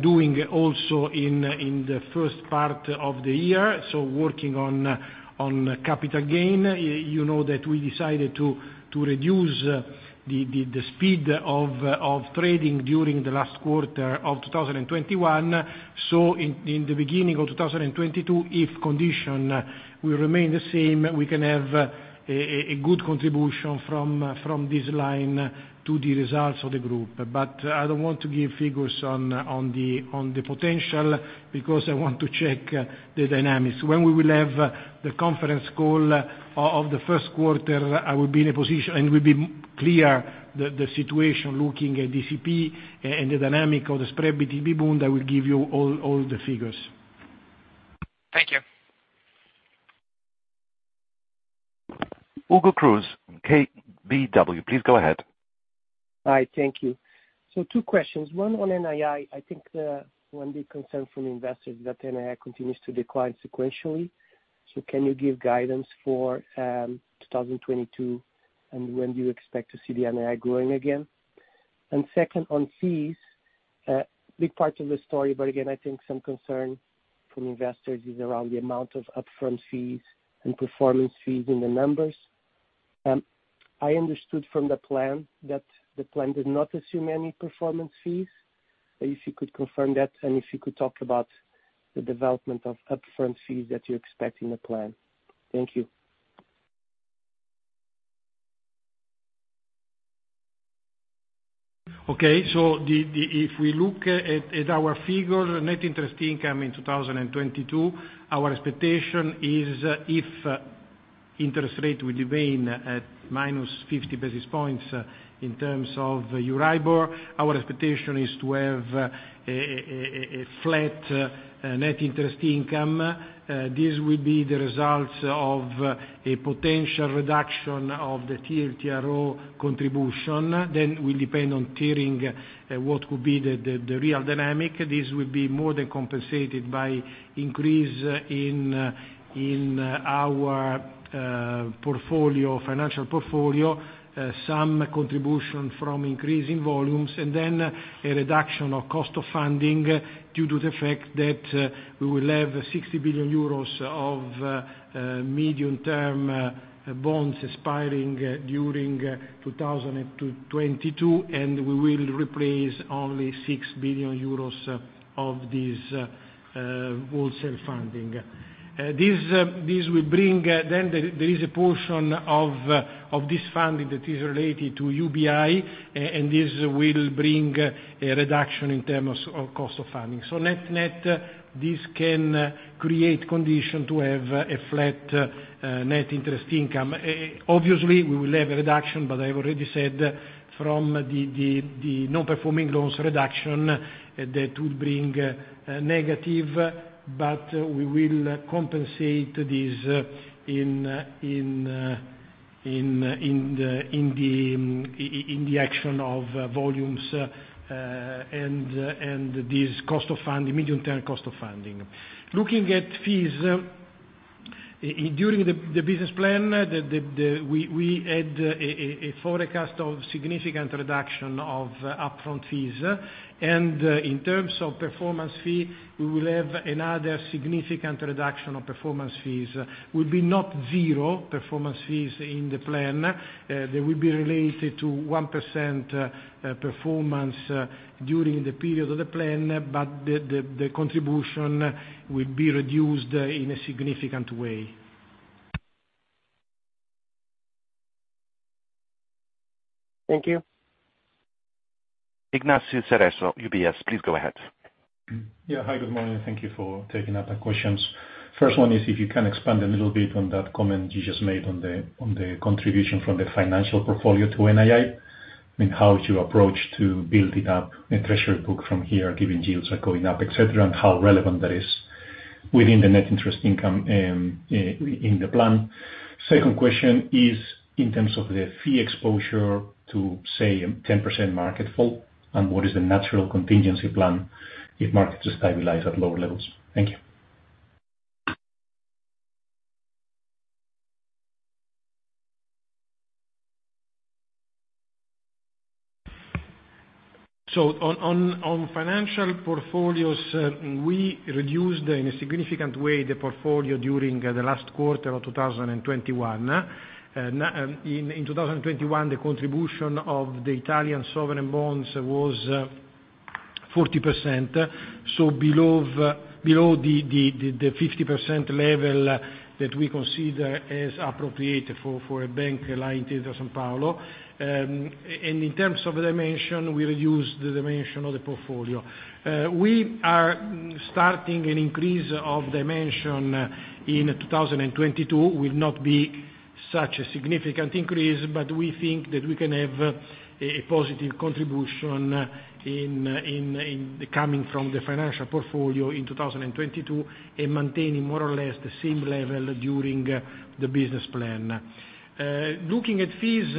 doing also in the first part of the year. Working on capital gain. You know that we decided to reduce the speed of trading during the last quarter of 2021. In the beginning of 2022, if condition will remain the same, we can have a good contribution from this line to the results of the group. I don't want to give figures on the potential because I want to check the dynamics. When we will have the conference call of the first quarter, I will be in a position and will be clear the situation looking at OCI and the dynamic of the spread BTP Bund, I will give you all the figures. Thank you. Hugo Cruz, KBW. Please go ahead. Hi, thank you. Two questions. One on NII. I think the one big concern from investors is that NII continues to decline sequentially. Can you give guidance for 2022, and when do you expect to see the NII growing again? Second, on fees, big part of the story, but again I think some concern from investors is around the amount of upfront fees and performance fees in the numbers. I understood from the plan that the plan does not assume any performance fees. If you could confirm that, and if you could talk about the development of upfront fees that you expect in the plan. Thank you. If we look at our figure net interest income in 2022, our expectation is interest rates will remain at -50 basis points in terms of EURIBOR. Our expectation is to have a flat net interest income. This will be the result of a potential reduction of the TLTRO contribution. It will depend on tiering what will be the real dynamic. This will be more than compensated by increase in our financial portfolio, some contribution from increasing volumes, and a reduction of cost of funding due to the fact that we will have 60 billion euros of medium-term bonds expiring during 2022, and we will replace only 6 billion euros of this wholesale funding. This will bring, then there is a portion of this funding that is related to UBI, and this will bring a reduction in terms of cost of funding. Net-net, this can create condition to have a flat net interest income. Obviously, we will have a reduction, but I already said from the non-performing loans reduction that will bring negative, but we will compensate this in the action of volumes, and this cost of fund, medium-term cost of funding. Looking at fees, during the business plan, we had a forecast of significant reduction of upfront fees. In terms of performance fee, we will have another significant reduction of performance fees. Will be not zero performance fees in the plan. They will be related to 1% performance during the period of the plan, but the contribution will be reduced in a significant way. Thank you. Ignacio Ulargui, UBS, please go ahead. Yeah. Hi, good morning. Thank you for taking up the questions. First one is if you can expand a little bit on that comment you just made on the contribution from the financial portfolio to NII. I mean, how is your approach to building up a treasury book from here, given yields are going up, et cetera, and how relevant that is within the net interest income in the plan. Second question is in terms of the fee exposure to, say, 10% market fall, and what is the natural contingency plan if markets stabilize at lower levels? Thank you. On financial portfolios, we reduced in a significant way the portfolio during the last quarter of 2021. In 2021, the contribution of the Italian sovereign bonds was 40%, so below the 50% level that we consider as appropriate for a bank like Intesa Sanpaolo. And in terms of dimension, we reduced the dimension of the portfolio. We are starting an increase of dimension in 2022. It will not be such a significant increase, but we think that we can have a positive contribution in the income from the financial portfolio in 2022 and maintaining more or less the same level during the business plan. Looking at fees,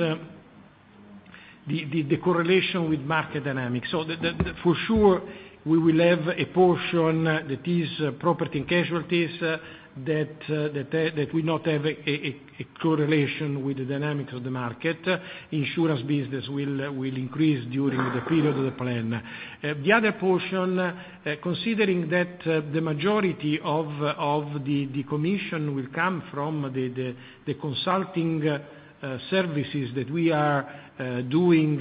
the correlation with market dynamics. For sure, we will have a portion that is property and casualties that will not have a correlation with the dynamics of the market. Insurance business will increase during the period of the plan. The other portion, considering that the majority of the commission will come from the consulting services that we are doing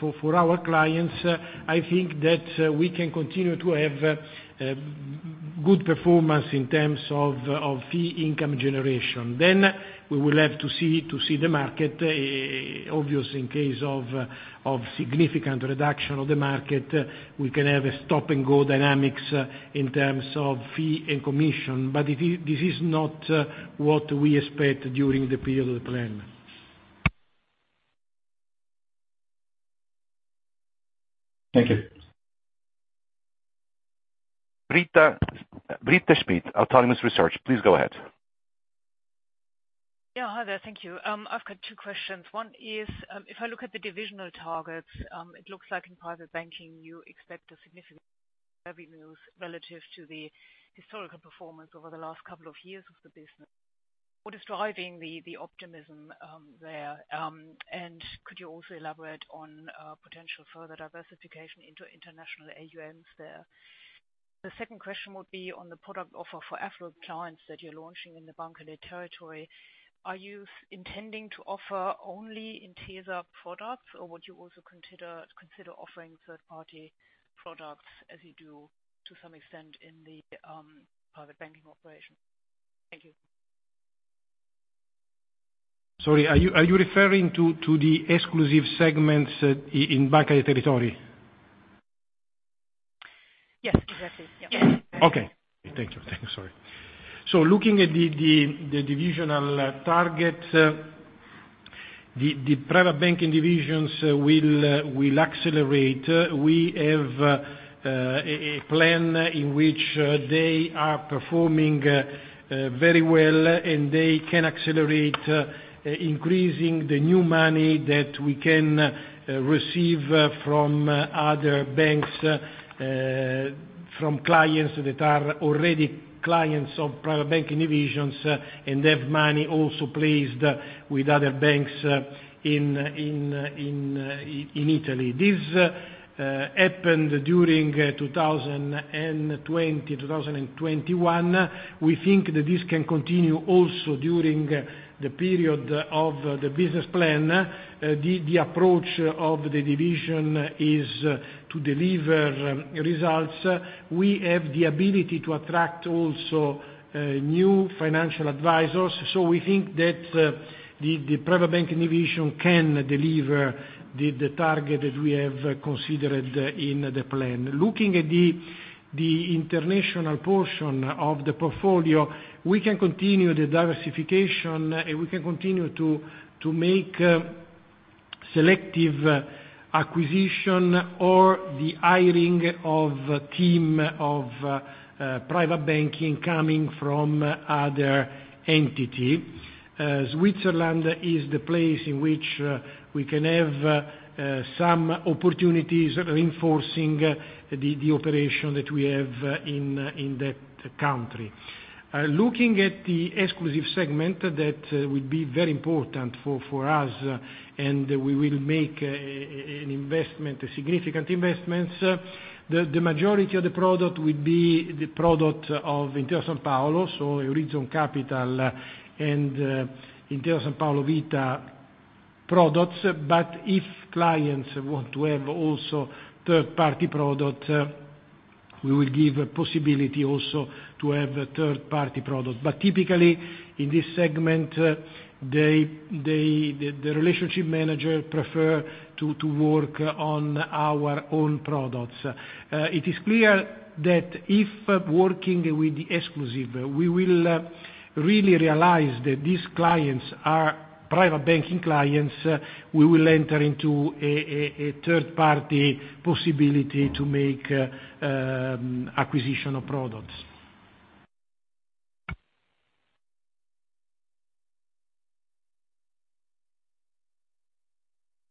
for our clients, I think that we can continue to have good performance in terms of fee income generation. We will have to see the market. Obviously, in case of significant reduction of the market, we can have a stop-and-go dynamics in terms of fee and commission. But this is not what we expect during the period of the plan. Thank you. Britta Schmidt, Autonomous Research. Please go ahead. Yeah. Hi there. Thank you. I've got two questions. One is, if I look at the divisional targets, it looks like in private banking, you expect a significant revenues relative to the historical performance over the last couple of years of the business. What is driving the optimism there? And could you also elaborate on potential further diversification into international AUMs there? The second question would be on the product offer for affluent clients that you're launching in the Banca dei Territori. Are you intending to offer only Intesa products, or would you also consider offering third-party products as you do to some extent in the private banking operation? Thank you. Sorry, are you referring to the exclusive segments in Banca dei Territori? Yes, exactly. Yeah. Okay. Thank you. Sorry. Looking at the divisional target, the private banking divisions will accelerate. We have a plan in which they are performing very well, and they can accelerate, increasing the new money that we can receive from other banks from clients that are already clients of private banking divisions and have money also placed with other banks in Italy. This happened during 2020, 2021. We think that this can continue also during the period of the business plan. The approach of the division is to deliver results. We have the ability to attract also new financial advisors. We think that the private banking division can deliver the target that we have considered in the plan. Looking at the international portion of the portfolio, we can continue the diversification, and we can continue to make selective acquisition or the hiring of team of private banking coming from other entity. Switzerland is the place in which we can have some opportunities reinforcing the operation that we have in that country. Looking at the exclusive segment, that will be very important for us, and we will make an investment, significant investments. The majority of the product will be the product of Intesa Sanpaolo, so Eurizon Capital and Intesa Sanpaolo Vita products. But if clients want to have also third-party product, we will give a possibility also to have a third-party product. But typically, in this segment, the relationship manager prefer to work on our own products. It is clear that if working with the exclusive, we will really realize that these clients are private banking clients. We will enter into a third party possibility to make acquisition of products.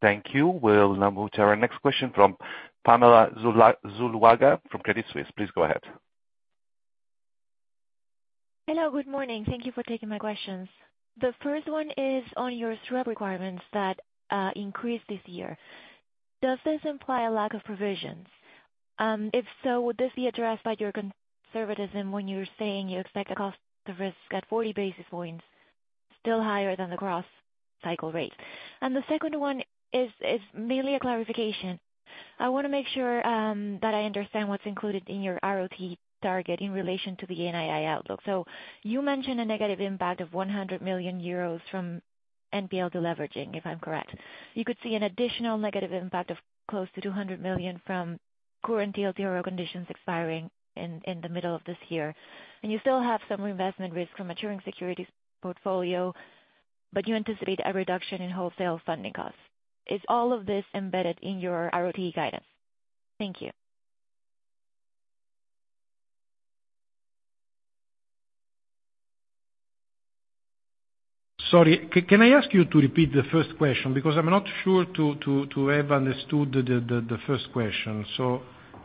Thank you. We'll now move to our next question from Pamela Zuluaga from Credit Suisse. Please go ahead. Hello, good morning. Thank you for taking my questions. The first one is on your SREP requirements that increased this year. Does this imply a lack of provisions? If so, would this be addressed by your conservatism when you're saying you expect a cost of risk at 40 basis points, still higher than the growth cycle rate? The second one is mainly a clarification. I want to make sure that I understand what's included in your ROE target in relation to the NII outlook. You mentioned a negative impact of 100 million euros from NPL deleveraging, if I'm correct. You could see an additional negative impact of close to 200 million from current TLTRO conditions expiring in the middle of this year. You still have some reinvestment risk from maturing securities portfolio, but you anticipate a reduction in wholesale funding costs. Is all of this embedded in your ROE guidance? Thank you. Sorry. Can I ask you to repeat the first question? Because I'm not sure to have understood the first question, so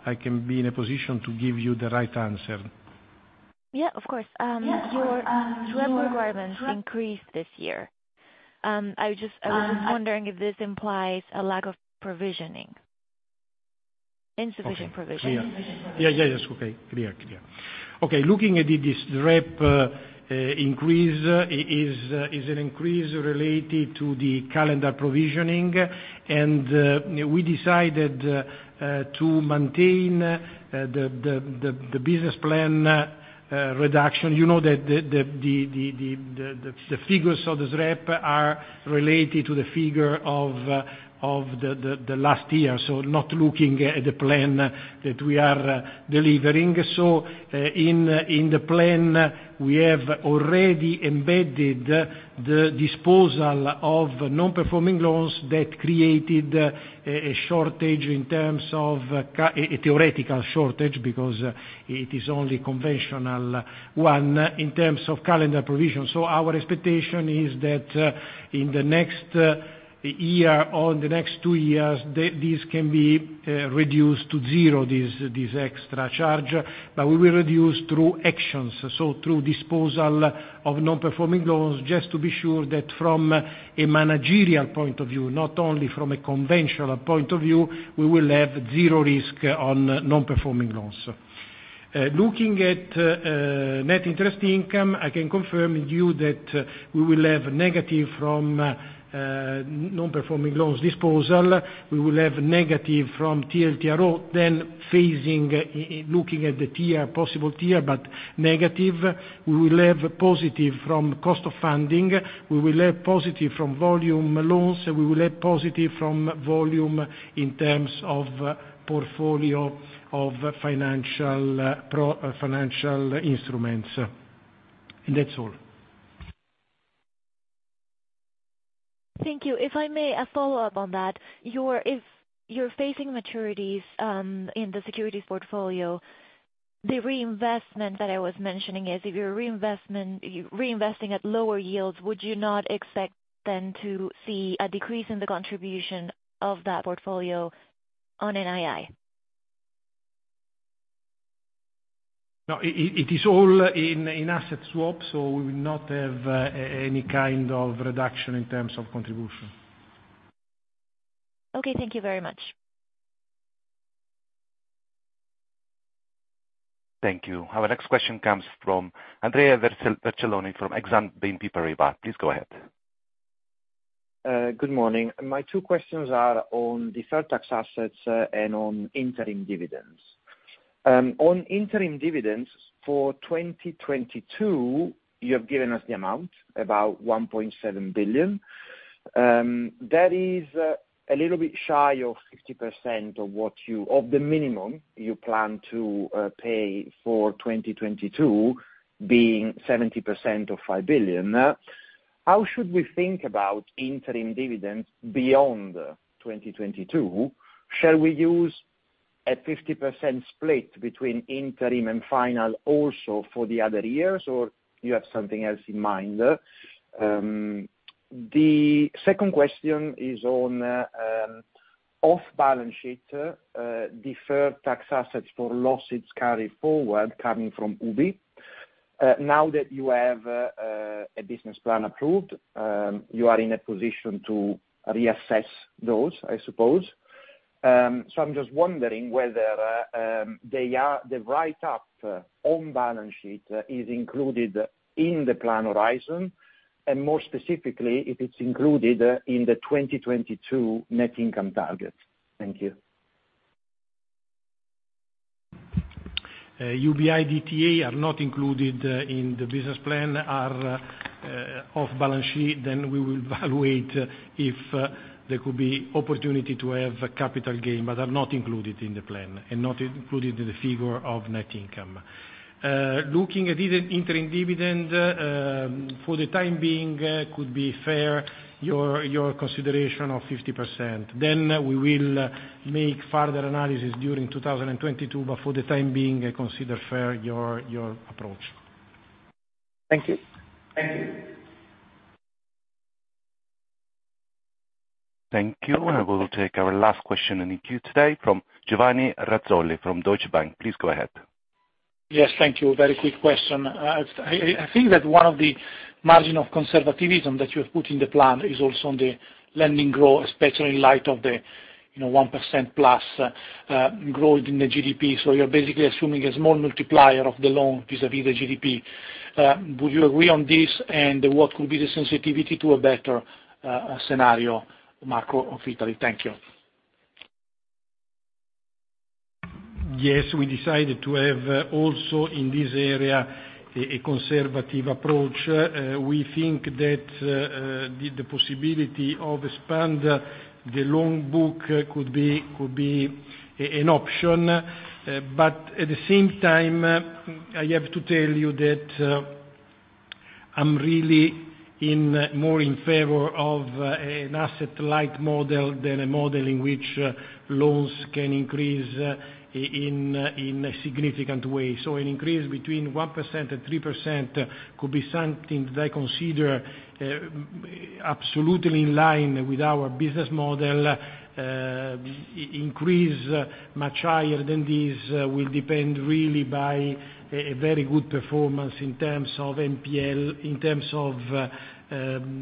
I can be in a position to give you the right answer. Yeah, of course. Your SREP requirements increased this year. I was just wondering if this implies a lack of provisioning. Insufficient provisioning. Looking at it, the SREP increase is an increase related to the calendar provisioning, and we decided to maintain the business plan reduction. You know, the figures of the SREP are related to the figure of the last year, so not looking at the plan that we are delivering. In the plan, we have already embedded the disposal of non-performing loans that created a shortage in terms of a theoretical shortage because it is only conventional one in terms of calendar provision. Our expectation is that in the next year or the next two years, this can be reduced to zero, this extra charge. We will reduce through actions, so through disposal of non-performing loans, just to be sure that from a managerial point of view, not only from a conventional point of view, we will have zero risk on non-performing loans. Looking at net interest income, I can confirm with you that we will have negative from non-performing loans disposal. We will have negative from TLTRO, then phasing, looking at the tier, possible tier, but negative. We will have positive from cost of funding. We will have positive from volume loans. We will have positive from volume in terms of portfolio of financial instruments. That's all. Thank you. If I may, a follow-up on that. If you're facing maturities in the securities portfolio, the reinvestment that I was mentioning, if you're reinvesting at lower yields, would you not expect then to see a decrease in the contribution of that portfolio on NII? No, it is all in asset swap, so we will not have any kind of reduction in terms of contribution. Okay, thank you very much. Thank you. Our next question comes from Andrea Vercellone from Exane BNP Paribas. Please go ahead. Good morning. My two questions are on deferred tax assets and on interim dividends. On interim dividends for 2022, you have given us the amount, about 1.7 billion. That is a little bit shy of 60% of the minimum you plan to pay for 2022, being 70% of 5 billion. How should we think about interim dividends beyond 2022? Shall we use a 50% split between interim and final also for the other years, or you have something else in mind? The second question is on off-balance sheet deferred tax assets for losses carry forward coming from UBI. Now that you have a business plan approved, you are in a position to reassess those, I suppose. I'm just wondering whether the write-up on balance sheet is included in the plan horizon, and more specifically, if it's included in the 2022 net income target. Thank you. UBI DTA are not included in the business plan, off balance sheet. We will evaluate if there could be opportunity to have a capital gain, but are not included in the plan and not included in the figure of net income. Looking at the interim dividend, for the time being, it could be fair, your consideration of 50%. We will make further analysis during 2022, but for the time being, I consider fair your approach. Thank you. Thank you. Thank you. We'll take our last question in the queue today from Giovanni Razzoli from Deutsche Bank. Please go ahead. Yes, thank you. Very quick question. I think that one of the margins of conservatism that you have put in the plan is also on the lending growth, especially in light of the, you know, 1%+ growth in the GDP. You're basically assuming a small multiplier of the loan vis-à-vis the GDP. Would you agree on this? What could be the sensitivity to a better macro scenario of Italy? Thank you. Yes, we decided to have also in this area a conservative approach. We think that the possibility of expand the loan book could be an option. At the same time, I have to tell you that I'm really more in favor of an asset-light model than a model in which loans can increase in a significant way. An increase between 1%-3% could be something that I consider absolutely in line with our business model. Increase much higher than this will depend really by a very good performance in terms of NPL, in terms of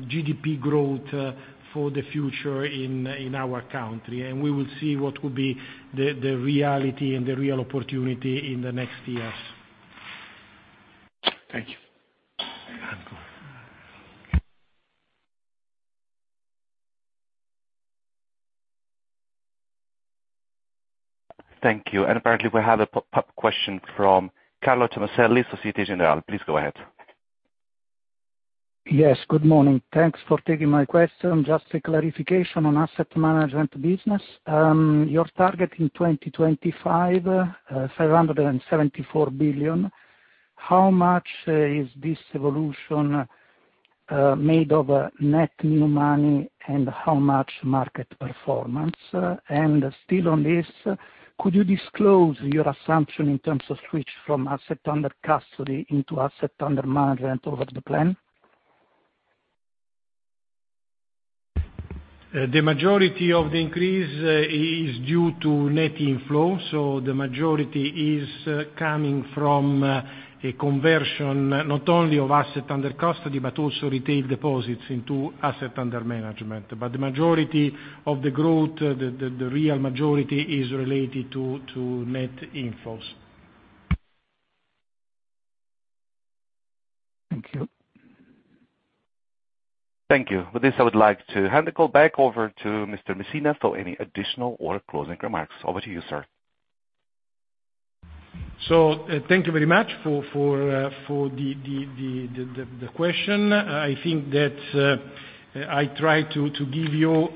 GDP growth for the future in our country. We will see what will be the reality and the real opportunity in the next years. Thank you. Thank you. Thank you. Apparently we have a pop-up question from Carlo Tommaselli, Société Générale. Please go ahead. Yes, good morning. Thanks for taking my question. Just a clarification on asset management business. Your target in 2025, 574 billion, how much is this evolution made of net new money and how much market performance? Still on this, could you disclose your assumption in terms of switch from asset under custody into asset under management over the plan? The majority of the increase is due to net inflows, so the majority is coming from a conversion not only of asset under custody, but also retail deposits into asset under management. The majority of the growth, the real majority is related to net inflows. Thank you. Thank you. With this, I would like to hand the call back over to Mr. Messina for any additional or closing remarks. Over to you, sir. Thank you very much for the question. I think that I try to give you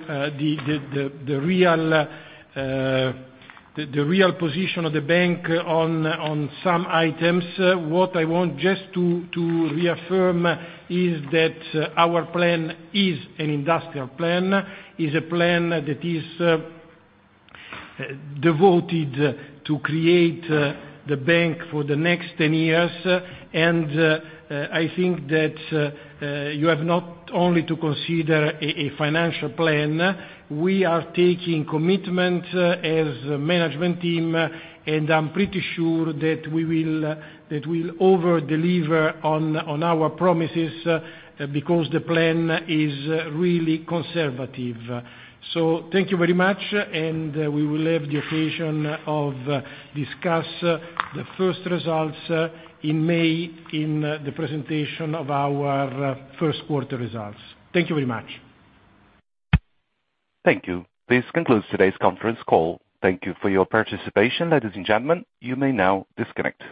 the real position of the bank on some items. What I want just to reaffirm is that our plan is an industrial plan, is a plan that is devoted to create the bank for the next 10 years. I think that you have not only to consider a financial plan. We are taking commitment as management team, and I'm pretty sure that we will over-deliver on our promises because the plan is really conservative. Thank you very much, and we will have the occasion to discuss the first results in May in the presentation of our Q1 results. Thank you very much. Thank you. This concludes today's conference call. Thank you for your participation. Ladies and gentlemen, you may now disconnect.